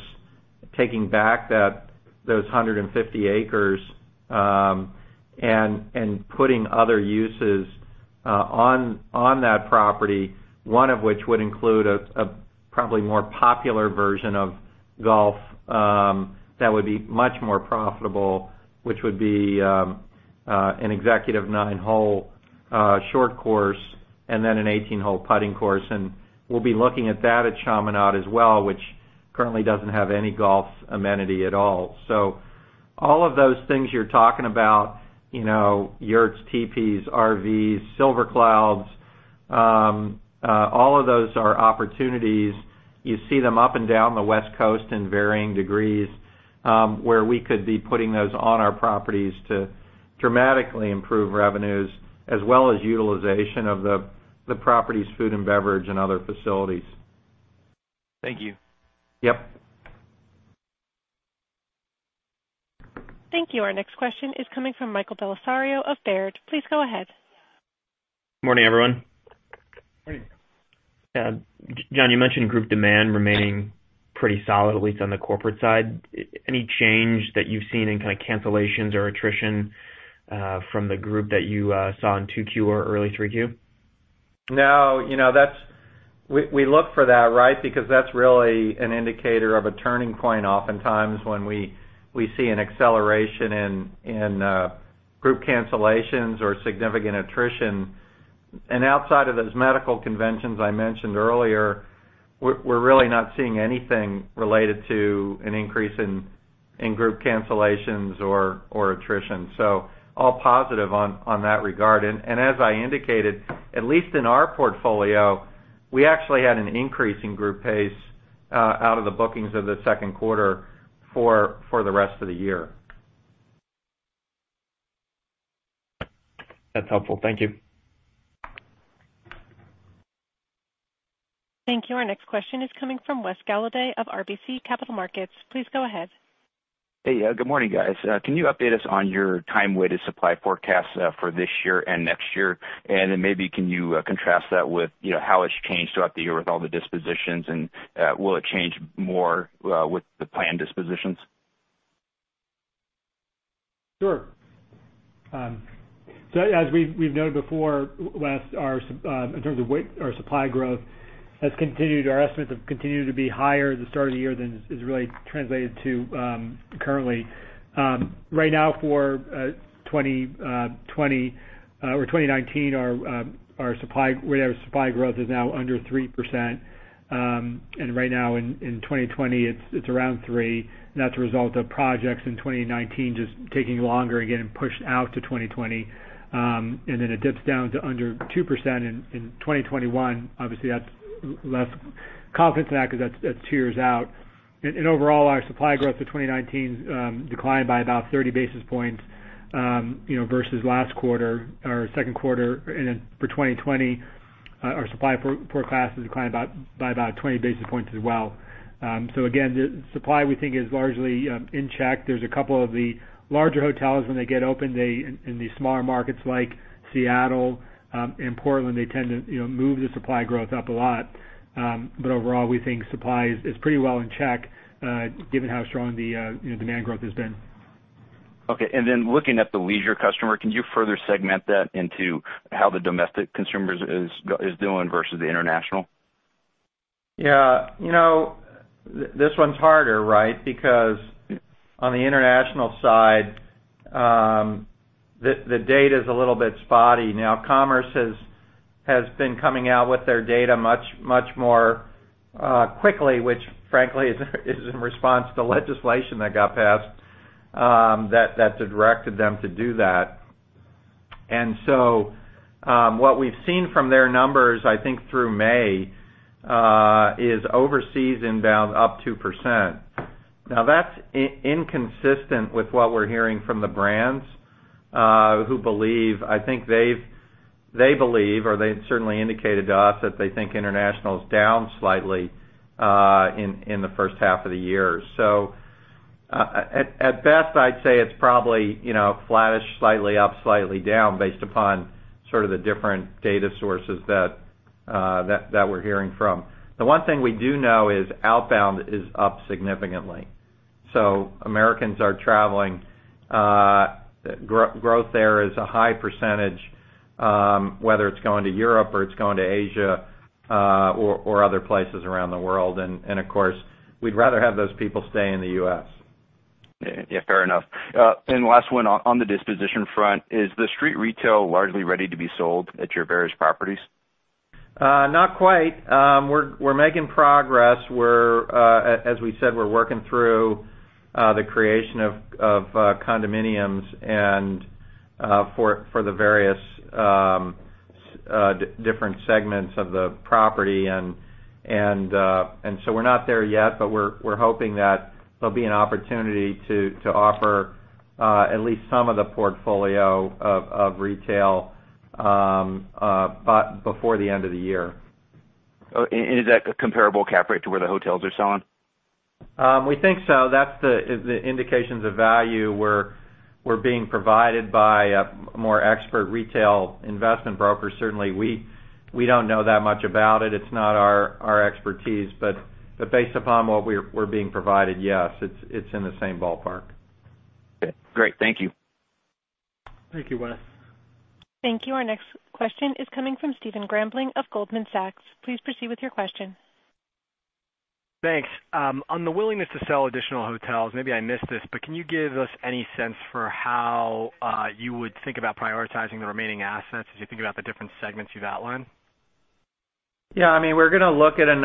taking back those 150 acres, and putting other uses on that property, one of which would include a probably more popular version of golf, that would be much more profitable, which would be an executive nine-hole short course, and then an 18-hole putting course. We'll be looking at that at Chaminade as well, which currently doesn't have any golf amenity at all. All of those things you're talking about, yurts, teepees, RVs, Silver Clouds, all of those are opportunities. You see them up and down the West Coast in varying degrees, where we could be putting those on our properties to dramatically improve revenues as well as utilization of the property's food and beverage and other facilities. Thank you. Yep. Thank you. Our next question is coming from Michael Bellisario of Baird. Please go ahead. Morning, everyone. Morning. Jon, you mentioned group demand remaining pretty solid, at least on the corporate side. Any change that you've seen in kind of cancellations or attrition from the group that you saw in 2Q or early 3Q? No. We look for that, right? That's really an indicator of a turning point oftentimes when we see an acceleration in group cancellations or significant attrition. Outside of those medical conventions I mentioned earlier, we're really not seeing anything related to an increase in group cancellations or attrition. All positive on that regard. As I indicated, at least in our portfolio, we actually had an increase in group pace out of the bookings of the second quarter for the rest of the year. That's helpful. Thank you. Thank you. Our next question is coming from Wes Golladay of RBC Capital Markets. Please go ahead. Hey. Good morning, guys. Can you update us on your time weighted supply forecast for this year and next year? Maybe can you contrast that with how it's changed throughout the year with all the dispositions, and will it change more with the planned dispositions? Sure. As we've noted before, Wes, in terms of our supply growth has continued, our estimates have continued to be higher at the start of the year than is really translated to currently. Right now for 2020 or 2019, our supply growth is now under 3%, right now in 2020, it's around 3%, and that's a result of projects in 2019 just taking longer, again, and pushed out to 2020. It dips down to under 2% in 2021. Obviously, that's less confidence in that because that's two years out. Overall, our supply growth for 2019 declined by about 30 basis points versus last quarter or second quarter. For 2020, our supply forecast has declined by about 20 basis points as well. Again, the supply we think is largely in check. There's a couple of the larger hotels when they get opened in the smaller markets like Seattle and Portland, they tend to move the supply growth up a lot. Overall, we think supply is pretty well in check given how strong the demand growth has been. Okay. Looking at the leisure customer, can you further segment that into how the domestic consumer is doing versus the international? Yeah. This one's harder, right? On the international side, the data's a little bit spotty. Commerce has been coming out with their data much more quickly, which frankly, is in response to legislation that got passed, that directed them to do that. What we've seen from their numbers, I think through May, is overseas inbound up 2%. That's inconsistent with what we're hearing from the brands, who believe, I think they believe, or they certainly indicated to us that they think international is down slightly in the first half of the year. At best I'd say it's probably flattish, slightly up, slightly down, based upon sort of the different data sources that we're hearing from. The one thing we do know is outbound is up significantly. Americans are traveling. Growth there is a high percentage, whether it's going to Europe or it's going to Asia, or other places around the world. Of course, we'd rather have those people stay in the U.S. Yeah. Fair enough. Last one, on the disposition front, is the street retail largely ready to be sold at your various properties? Not quite. We're making progress. As we said, we're working through the creation of condominiums and for the various different segments of the property, and so we're not there yet, but we're hoping that there'll be an opportunity to offer at least some of the portfolio of retail before the end of the year. Oh. Is that comparable cap rate to where the hotels are selling? We think so. That's the indications of value we're being provided by a more expert retail investment broker. Certainly, we don't know that much about it. It's not our expertise, but based upon what we're being provided, yes, it's in the same ballpark. Okay, great. Thank you. Thank you, Wes. Thank you. Our next question is coming from Stephen Grambling of Goldman Sachs. Please proceed with your question. Thanks. On the willingness to sell additional hotels, maybe I missed this, but can you give us any sense for how you would think about prioritizing the remaining assets as you think about the different segments you've outlined? Yeah. We have to look at a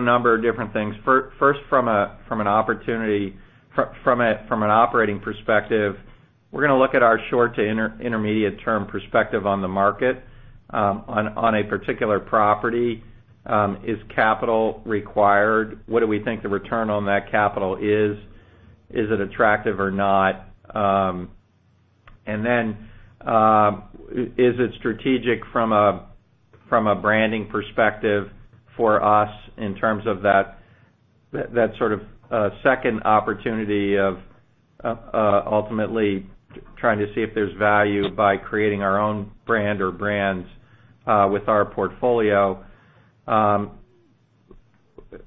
number of different things. First, from an operating perspective, we're going to look at our short to intermediate term perspective on the market on a particular property. Is capital required? What do we think the return on that capital is? Is it attractive or not? Is it strategic from a branding perspective for us in terms of that sort of second opportunity of ultimately trying to see if there's value by creating our own brand or brands with our portfolio?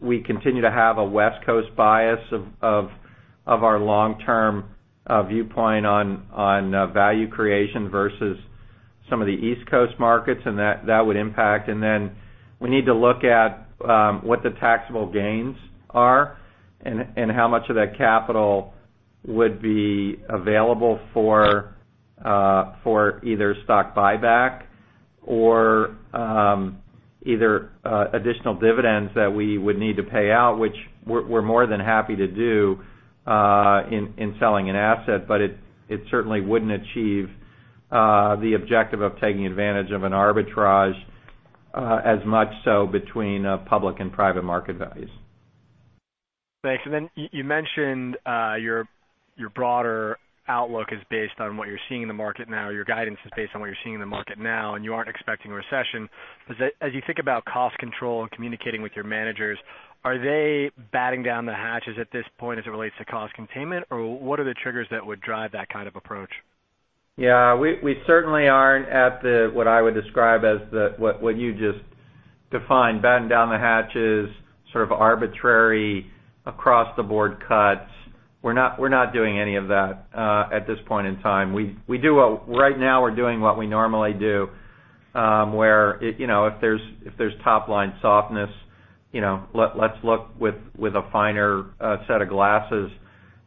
We continue to have a West Coast bias of our long-term viewpoint on value creation versus some of the East Coast markets, and that would impact. We need to look at what the taxable gains are and how much of that capital would be available for either stock buyback or either additional dividends that we would need to pay out, which we're more than happy to do in selling an asset. It certainly wouldn't achieve the objective of taking advantage of an arbitrage as much so between public and private market values. Thanks. You mentioned your broader outlook is based on what you're seeing in the market now, or your guidance is based on what you're seeing in the market now, and you aren't expecting a recession. As you think about cost control and communicating with your managers, are they batting down the hatches at this point as it relates to cost containment? What are the triggers that would drive that kind of approach? Yeah. We certainly aren't at what I would describe as what you just defined, batten down the hatches, sort of arbitrary across-the-board cuts. We're not doing any of that at this point in time. Right now, we're doing what we normally do, where if there's top-line softness, let's look with a finer set of glasses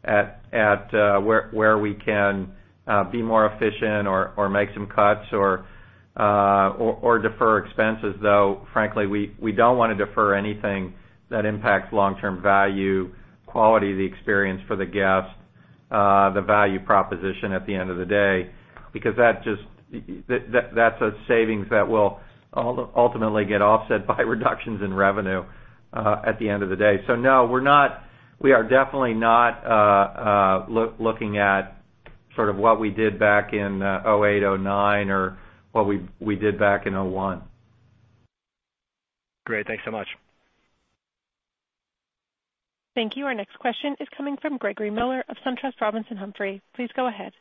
at where we can be more efficient or make some cuts or defer expenses. Frankly, we don't want to defer anything that impacts long-term value, quality of the experience for the guest, the value proposition at the end of the day. That's a savings that will ultimately get offset by reductions in revenue at the end of the day. No, we are definitely not looking at sort of what we did back in 2008, 2009, or what we did back in 2001. Great. Thanks so much. Thank you. Our next question is coming from Gregory Miller of SunTrust Robinson Humphrey. Please go ahead.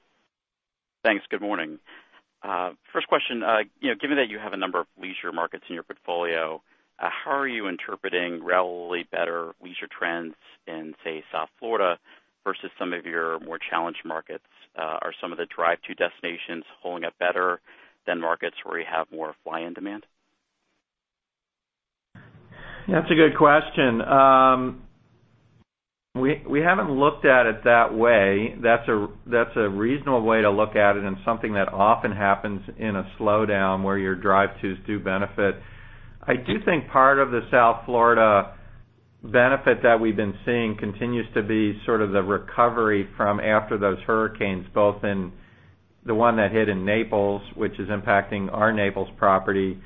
Thanks. Good morning. First question. Given that you have a number of leisure markets in your portfolio, how are you interpreting relatively better leisure trends in, say, South Florida versus some of your more challenged markets? Are some of the drive-to destinations holding up better than markets where you have more fly-in demand? That's a good question. We haven't looked at it that way. That's a reasonable way to look at it and something that often happens in a slowdown where your drive-tos do benefit. I do think part of the South Florida benefit that we've been seeing continues to be sort of the recovery from after those hurricanes, both in the one that hit in Naples, which is impacting our Naples property,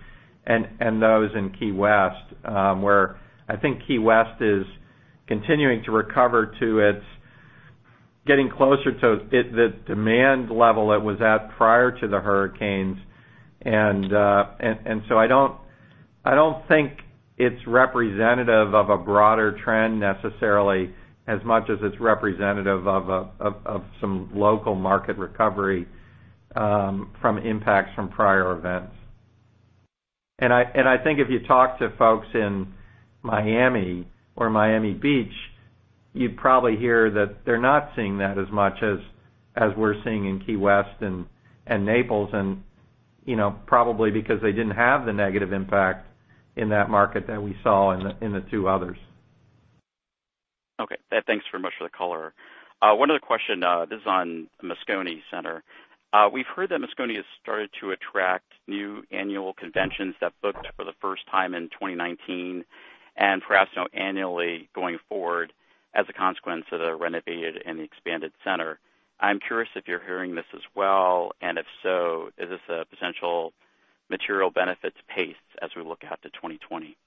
and those in Key West, where I think Key West is continuing to recover to its getting closer to the demand level it was at prior to the hurricanes. I don't think it's representative of a broader trend necessarily, as much as it's representative of some local market recovery from impacts from prior events. I think if you talk to folks in Miami or Miami Beach, you'd probably hear that they're not seeing that as much as we're seeing in Key West and Naples, probably because they didn't have the negative impact in that market that we saw in the two others. Okay. Thanks very much for the color. One other question. This is on Moscone Center. We've heard that Moscone has started to attract new annual conventions that booked for the first time in 2019, and perhaps now annually going forward as a consequence of the renovated and the expanded center. I'm curious if you're hearing this as well, and if so, is this a potential material benefit to pace as we look out to 2020?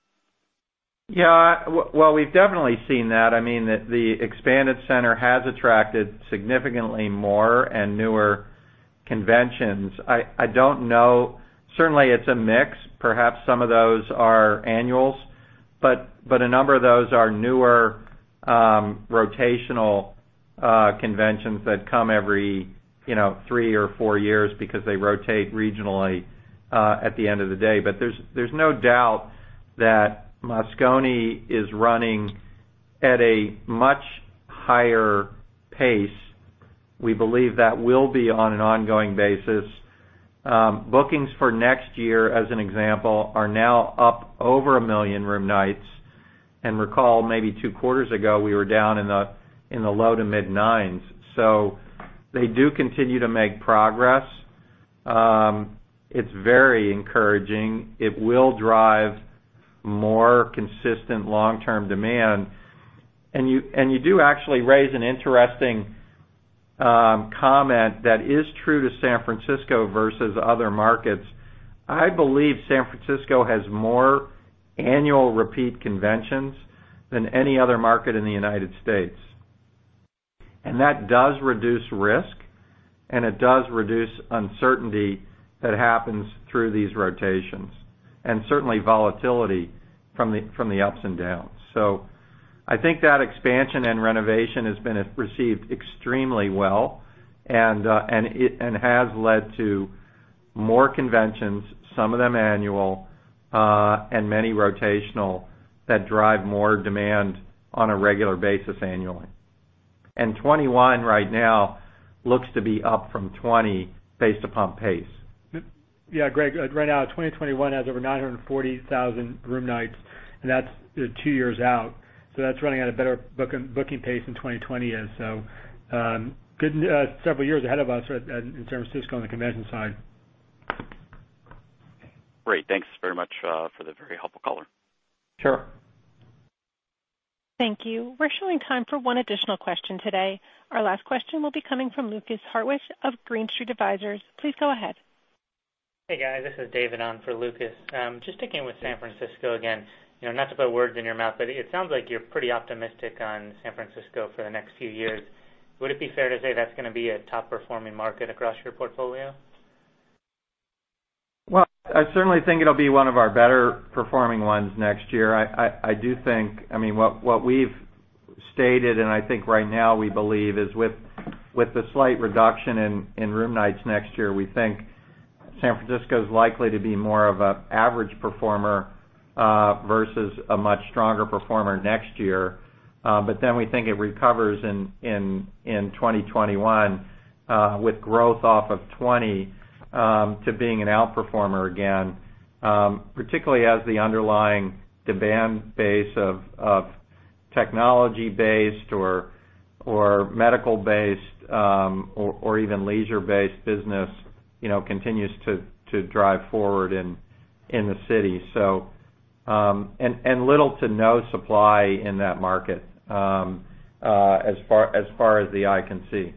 Yeah. Well, we've definitely seen that. I mean, the expanded center has attracted significantly more and newer conventions. I don't know. Certainly, it's a mix. Perhaps some of those are annuals, but a number of those are newer rotational conventions that come every three or four years because they rotate regionally at the end of the day. There's no doubt that Moscone is running at a much higher pace. We believe that will be on an ongoing basis. Bookings for next year, as an example, are now up over a million room nights. Recall, maybe two quarters ago, we were down in the low to mid-nines. They do continue to make progress. It's very encouraging. It will drive more consistent long-term demand. You do actually raise an interesting comment that is true to San Francisco versus other markets. I believe San Francisco has more annual repeat conventions than any other market in the U.S. That does reduce risk, and it does reduce uncertainty that happens through these rotations, and certainly volatility from the ups and downs. I think that expansion and renovation has been received extremely well and has led to more conventions, some of them annual, and many rotational, that drive more demand on a regular basis annually. 2021 right now looks to be up from 2020 based upon pace. Yeah, Greg, right now 2021 has over 940,000 room nights. That's two years out. That's running at a better booking pace than 2020 is, so good several years ahead of us in San Francisco on the convention side. Great. Thanks very much for the very helpful color. Sure. Thank you. We're showing time for one additional question today. Our last question will be coming from Lukas Hartwich of Green Street Advisors. Please go ahead. Hey, guys, this is David on for Lukas. Just sticking with San Francisco again. It sounds like you're pretty optimistic on San Francisco for the next few years. Would it be fair to say that's going to be a top-performing market across your portfolio? Well, I certainly think it'll be one of our better performing ones next year. What we've stated, and I think right now we believe, is with the slight reduction in room nights next year, we think San Francisco is likely to be more of a average performer versus a much stronger performer next year. We think it recovers in 2021 with growth off of 2020 to being an outperformer again, particularly as the underlying demand base of technology-based or medical-based or even leisure-based business continues to drive forward in the city. Little to no supply in that market as far as the eye can see.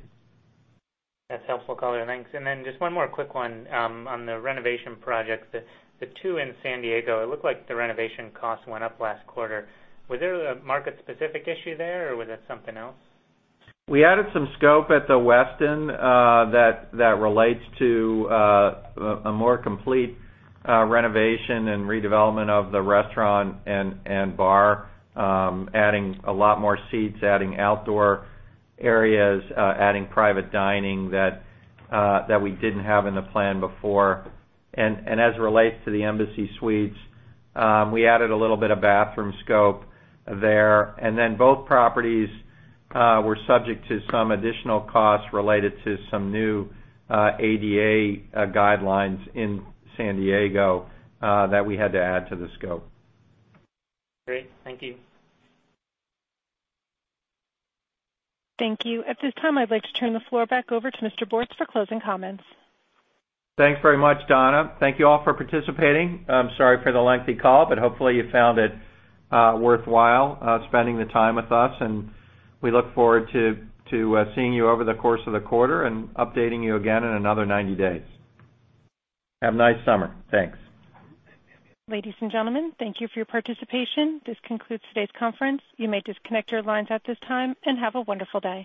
That's helpful color. Thanks. Just one more quick one on the renovation projects, the two in San Diego, it looked like the renovation costs went up last quarter. Was there a market-specific issue there, or was that something else? We added some scope at the Westin that relates to a more complete renovation and redevelopment of the restaurant and bar, adding a lot more seats, adding outdoor areas, adding private dining that we didn't have in the plan before. As it relates to the Embassy Suites, we added a little bit of bathroom scope there. Both properties were subject to some additional costs related to some new ADA guidelines in San Diego that we had to add to the scope. Great. Thank you. Thank you. At this time, I'd like to turn the floor back over to Mr. Bortz for closing comments. Thanks very much, Donna. Thank you all for participating. I'm sorry for the lengthy call, but hopefully you found it worthwhile spending the time with us, and we look forward to seeing you over the course of the quarter and updating you again in another 90 days. Have a nice summer. Thanks. Ladies and gentlemen, thank you for your participation. This concludes today's conference. You may disconnect your lines at this time, and have a wonderful day.